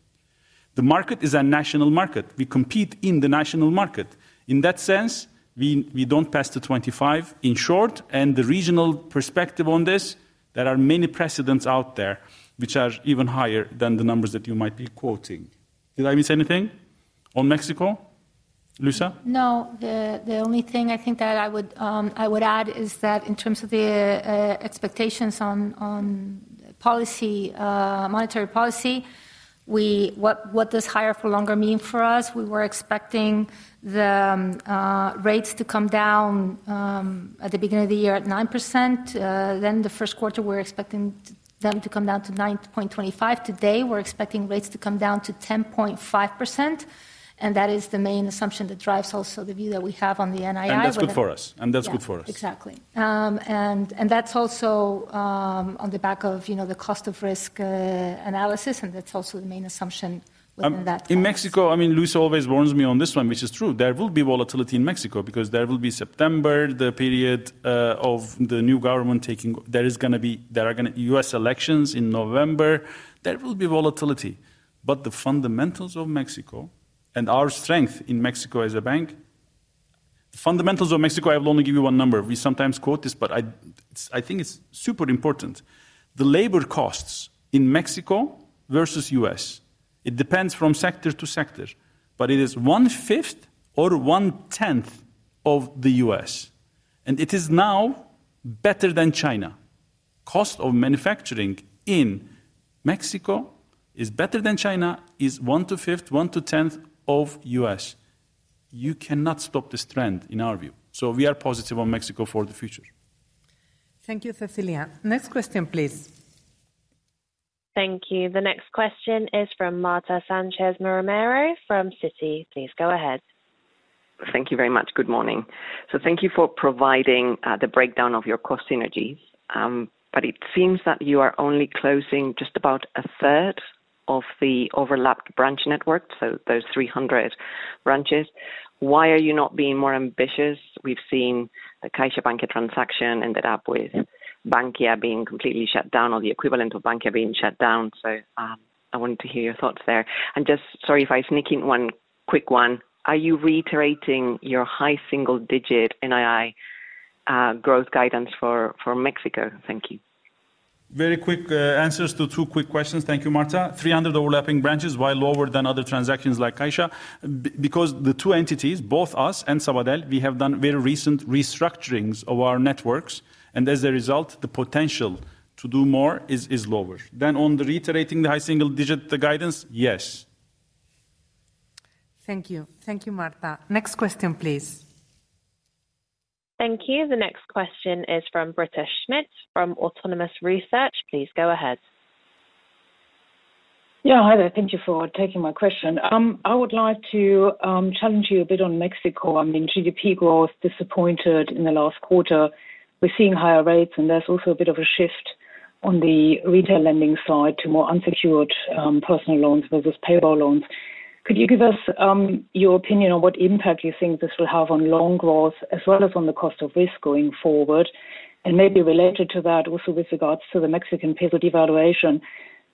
The market is a national market. We compete in the national market. In that sense, we don't pass the 25% in short. And the regional perspective on this, there are many precedents out there which are even higher than the numbers that you might be quoting. Did I miss anything on Mexico? Luisa? No, the only thing I think that I would add is that in terms of the expectations on policy, monetary policy, what does higher for longer mean for us? We were expecting the rates to come down at the beginning of the year at 9%. Then the first quarter, we were expecting them to come down to 9.25%. Today, we're expecting rates to come down to 10.5%. And that is the main assumption that drives also the view that we have on the NAI. And that's good for us. And that's good for us. Exactly. And that's also on the back of the cost of risk analysis, and that's also the main assumption within that. In Mexico, I mean, Luisa always warns me on this one, which is true. There will be volatility in Mexico because there will be September, the period of the new government taking, there is going to be, there are going to be U.S. elections in November. There will be volatility. But the fundamentals of Mexico and our strength in Mexico as a bank, the fundamentals of Mexico, I will only give you one number. We sometimes quote this, but I think it's super important. The labor costs in Mexico versus the U.S., it depends from sector to sector, but it is 1/5 or 1/10 of the U.S. And it is now better than China. Cost of manufacturing in Mexico is better than China is 1/5, 1/10 of US. You cannot stop this trend in our view. So we are positive on Mexico for the future. Thank you, Cecilia. Next question, please. Thank you. The next question is from Marta Sánchez Romero from Citi. Please go ahead. Thank you very much. Good morning. So thank you for providing the breakdown of your cost synergies. But it seems that you are only closing just about a third of the overlapped branch network, so those 300 branches. Why are you not being more ambitious? We've seen the CaixaBank transaction ended up with Bankia being completely shut down or the equivalent of Bankia being shut down. So I wanted to hear your thoughts there. And just sorry if I sneak in one quick one. Are you reiterating your high single-digit NAI growth guidance for Mexico? Thank you. Very quick answers to two quick questions. Thank you, Marta. 300 overlapping branches, why lower than other transactions like Caixa? Because the two entities, both us and Sabadell, we have done very recent restructurings of our networks. And as a result, the potential to do more is lower. Then on the reiterating the high single-digit guidance, yes. Thank you. Thank you, Marta. Next question, please. Thank you. The next question is from Britta Schmidt from Autonomous Research. Please go ahead. Yeah, hello. Thank you for taking my question. I would like to challenge you a bit on Mexico. I mean, GDP growth disappointed in the last quarter. We're seeing higher rates, and there's also a bit of a shift on the retail lending side to more unsecured personal loans versus payable loans. Could you give us your opinion on what impact you think this will have on loan growth as well as on the cost of risk going forward? And maybe related to that, also with regards to the Mexican peso devaluation,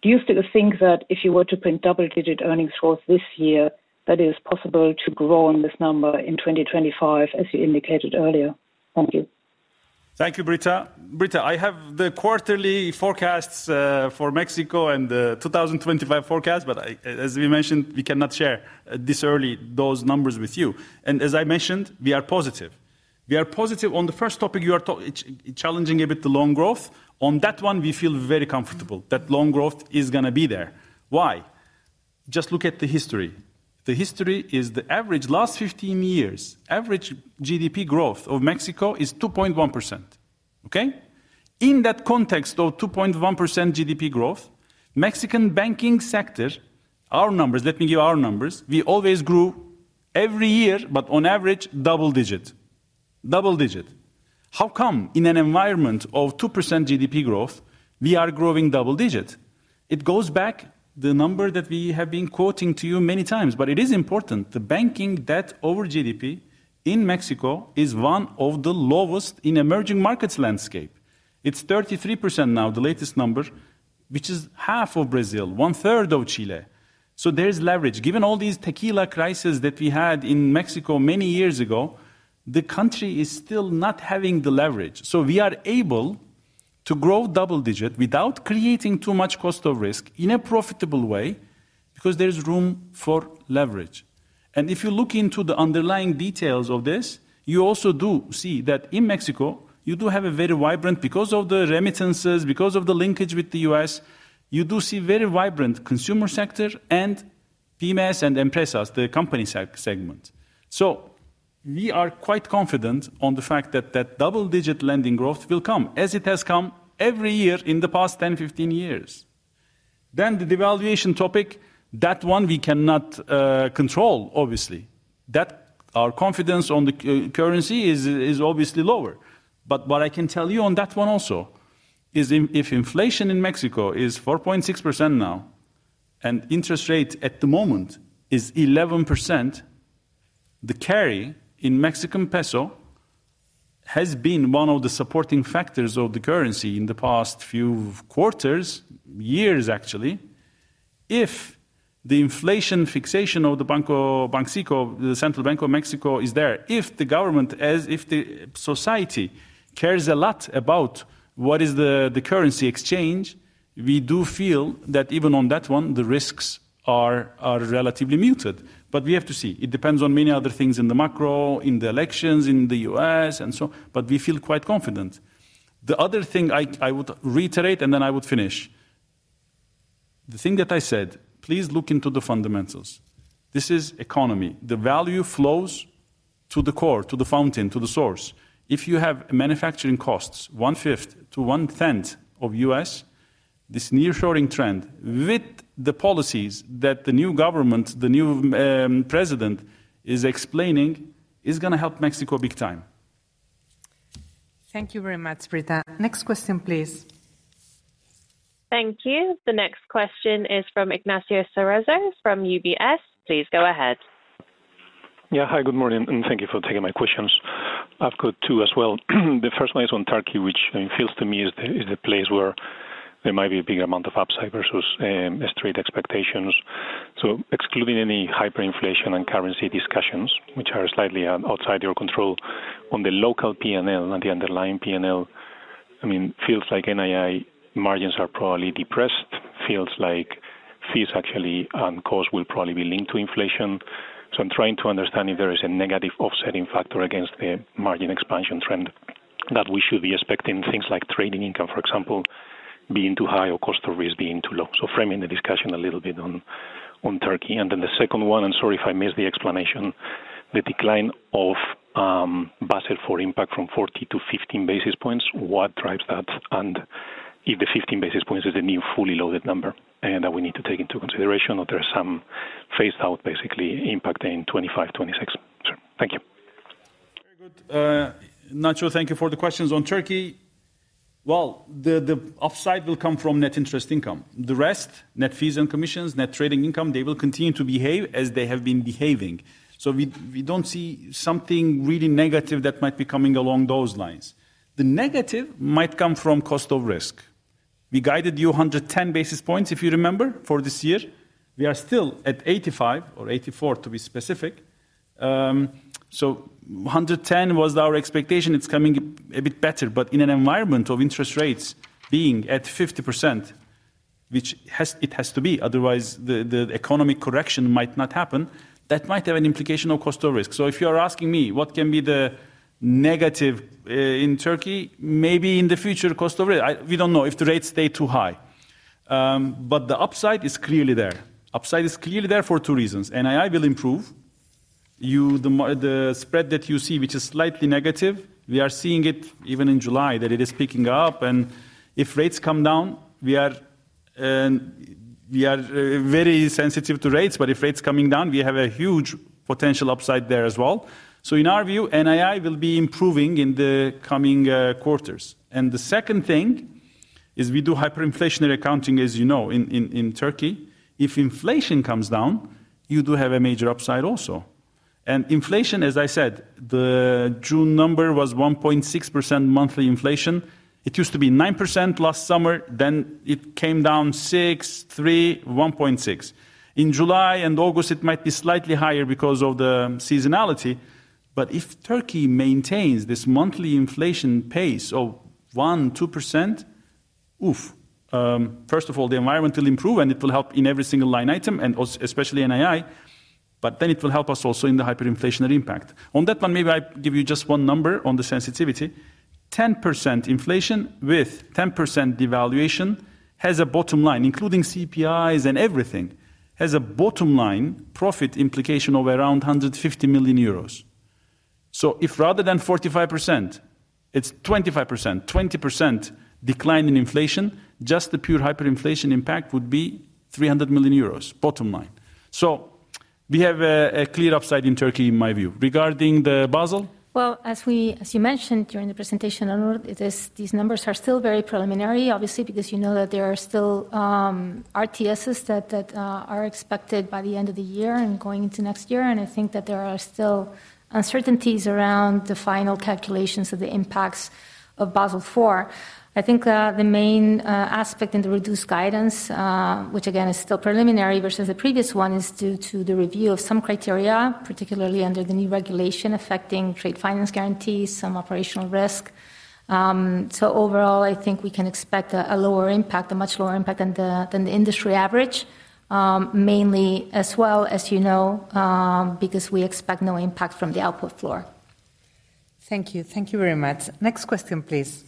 do you still think that if you were to print double-digit earnings growth this year, that it is possible to grow on this number in 2025, as you indicated earlier? Thank you. Thank you, Britta. Britta, I have the quarterly forecasts for Mexico and the 2025 forecast, but as we mentioned, we cannot share this early those numbers with you. And as I mentioned, we are positive. We are positive on the first topic you are challenging a bit the loan growth. On that one, we feel very comfortable that loan growth is going to be there. Why? Just look at the history. The history is the average last 15 years' average GDP growth of Mexico is 2.1%. Okay? In that context of 2.1% GDP growth, Mexican banking sector, our numbers, let me give our numbers, we always grew every year, but on average, double-digit. Double-digit. How come in an environment of 2% GDP growth, we are growing double-digit? It goes back the number that we have been quoting to you many times, but it is important. The banking debt over GDP in Mexico is one of the lowest in emerging markets landscape. It's 33% now, the latest number, which is half of Brazil, one third of Chile. So there's leverage. Given all these tequila crises that we had in Mexico many years ago, the country is still not having the leverage. So we are able to grow double-digit without creating too much cost of risk in a profitable way because there's room for leverage. And if you look into the underlying details of this, you also do see that in Mexico, you do have a very vibrant because of the remittances, because of the linkage with the U.S., you do see very vibrant consumer sector and PMEs and empresas, the company segment. So we are quite confident on the fact that that double-digit lending growth will come, as it has come every year in the past 10, 15 years. Then the devaluation topic, that one we cannot control, obviously. Our confidence on the currency is obviously lower. But what I can tell you on that one also is if inflation in Mexico is 4.6% now and interest rate at the moment is 11%, the carry in Mexican peso has been one of the supporting factors of the currency in the past few quarters, years actually. If the inflation fixation of Banxico, the Central Bank of Mexico is there, if the government, as if the society cares a lot about what is the currency exchange, we do feel that even on that one, the risks are relatively muted. But we have to see. It depends on many other things in the macro, in the elections, in the U.S. and so on. But we feel quite confident. The other thing I would reiterate and then I would finish. The thing that I said, please look into the fundamentals. This is economy. The value flows to the core, to the fountain, to the source. If you have manufacturing costs 1/5-1/10 of US, this nearshoring trend with the policies that the new government, the new president is explaining is going to help Mexico big time. Thank you very much, Britta. Next question, please. Thank you. The next question is from Ignacio Cerezo from UBS. Please go ahead. Yeah, hi, good morning. Thank you for taking my questions. I've got two as well. The first one is on Turkey, which feels to me is the place where there might be a bigger amount of upside versus straight expectations. So excluding any hyperinflation and currency discussions, which are slightly outside your control on the local P&L and the underlying P&L, I mean, feels like NII margins are probably depressed, feels like fees actually and costs will probably be linked to inflation. So I'm trying to understand if there is a negative offsetting factor against the margin expansion trend that we should be expecting things like trading income, for example, being too high or cost of risk being too low. So framing the discussion a little bit on Turkey. And then the second one, and sorry if I missed the explanation, the decline of Basel IV impact from 40 to 15 basis points, what drives that? And if the 15 basis points is the new fully loaded number that we need to take into consideration or there's some phased out basically impact in 2025, 2026. Thank you. Very good. Nacho, thank you for the questions on Turkey. Well, the upside will come from net interest income. The rest, net fees and commissions, net trading income, they will continue to behave as they have been behaving. So we don't see something really negative that might be coming along those lines. The negative might come from cost of risk. We guided you 110 basis points, if you remember, for this year. We are still at 85 or 84 to be specific. So 110 was our expectation. It's coming a bit better. But in an environment of interest rates being at 50%, which it has to be, otherwise the economic correction might not happen, that might have an implication of cost of risk. So if you are asking me what can be the negative in Turkey, maybe in the future cost of risk, we don't know if the rates stay too high. But the upside is clearly there. Upside is clearly there for two reasons. NAI will improve. The spread that you see, which is slightly negative, we are seeing it even in July that it is picking up. And if rates come down, we are very sensitive to rates. But if rates coming down, we have a huge potential upside there as well. So in our view, NAI will be improving in the coming quarters. And the second thing is we do hyperinflationary accounting, as you know, in Turkey. If inflation comes down, you do have a major upside also. And inflation, as I said, the June number was 1.6% monthly inflation. It used to be 9% last summer. Then it came down 6%, 3%, 1.6%. In July and August, it might be slightly higher because of the seasonality. But if Turkey maintains this monthly inflation pace of 1%-2%, oof, first of all, the environment will improve and it will help in every single line item, and especially NAI. But then it will help us also in the hyperinflationary impact. On that one, maybe I give you just one number on the sensitivity. 10% inflation with 10% devaluation has a bottom line, including CPIs and everything, has a bottom line profit implication of around 150 million euros. So if rather than 45%, it's 25%-20% decline in inflation, just the pure hyperinflation impact would be 300 million euros, bottom line. So we have a clear upside in Turkey, in my view. Regarding the Basel? Well, as you mentioned during the presentation, these numbers are still very preliminary, obviously, because you know that there are still RTSs that are expected by the end of the year and going into next year. And I think that there are still uncertainties around the final calculations of the impacts of Basel IV. I think the main aspect in the reduced guidance, which again is still preliminary versus the previous one, is due to the review of some criteria, particularly under the new regulation affecting trade finance guarantees, some operational risk. So overall, I think we can expect a lower impact, a much lower impact than the industry average, mainly as well, as you know, because we expect no impact from the output floor. Thank you. Thank you very much. Next question, please.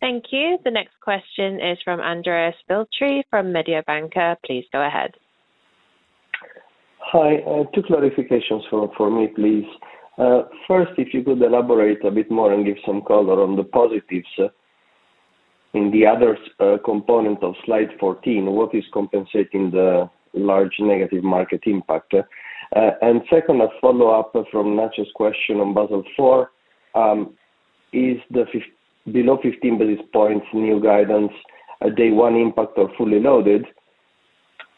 Thank you. The next question is from Andrea Filtri from Mediobanca. Please go ahead. Hi. Two clarifications for me, please. First, if you could elaborate a bit more and give some color on the positives in the other component of slide 14, what is compensating the large negative market impact? And second, a follow-up from Nacho's question on Basel IV, is the below 15 basis points new guidance a day one impact or fully loaded?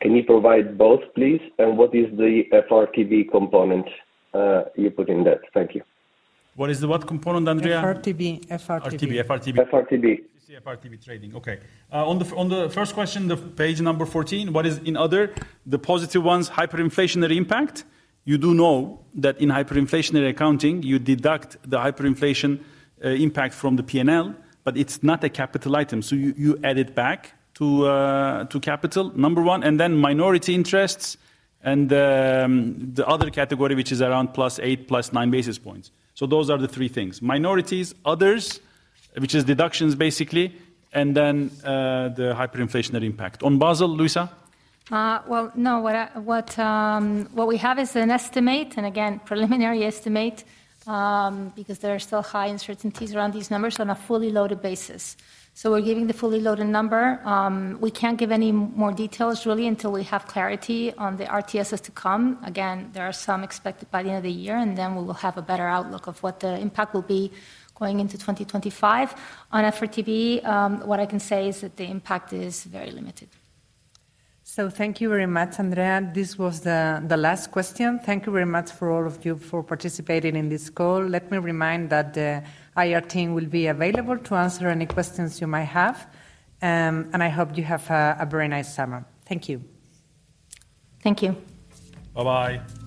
Can you provide both, please? And what is the FRTB component you put in that? Thank you. What is the what component, Andrea? FRTB trading. Okay. On the first question, the page number 14, what is in other the positive ones, hyperinflationary impact? You do know that in hyperinflationary accounting, you deduct the hyperinflation impact from the P&L, but it's not a capital item. So you add it back to capital, number one. And then minority interests and the other category, which is around +8, +9 basis points. So those are the three things. Minorities, others, which is deductions basically, and then the hyperinflationary impact. On Basel, Luisa? Well, no, what we have is an estimate, and again, preliminary estimate, because there are still high uncertainties around these numbers on a fully loaded basis. So we're giving the fully loaded number. We can't give any more details really until we have clarity on the RTSs to come. Again, there are some expected by the end of the year, and then we will have a better outlook of what the impact will be going into 2025. On FRTB, what I can say is that the impact is very limited. So thank you very much, Andrea. This was the last question. Thank you very much for all of you for participating in this call. Let me remind that the IR team will be available to answer any questions you might have. I hope you have a very nice summer. Thank you. Thank you. Bye-bye.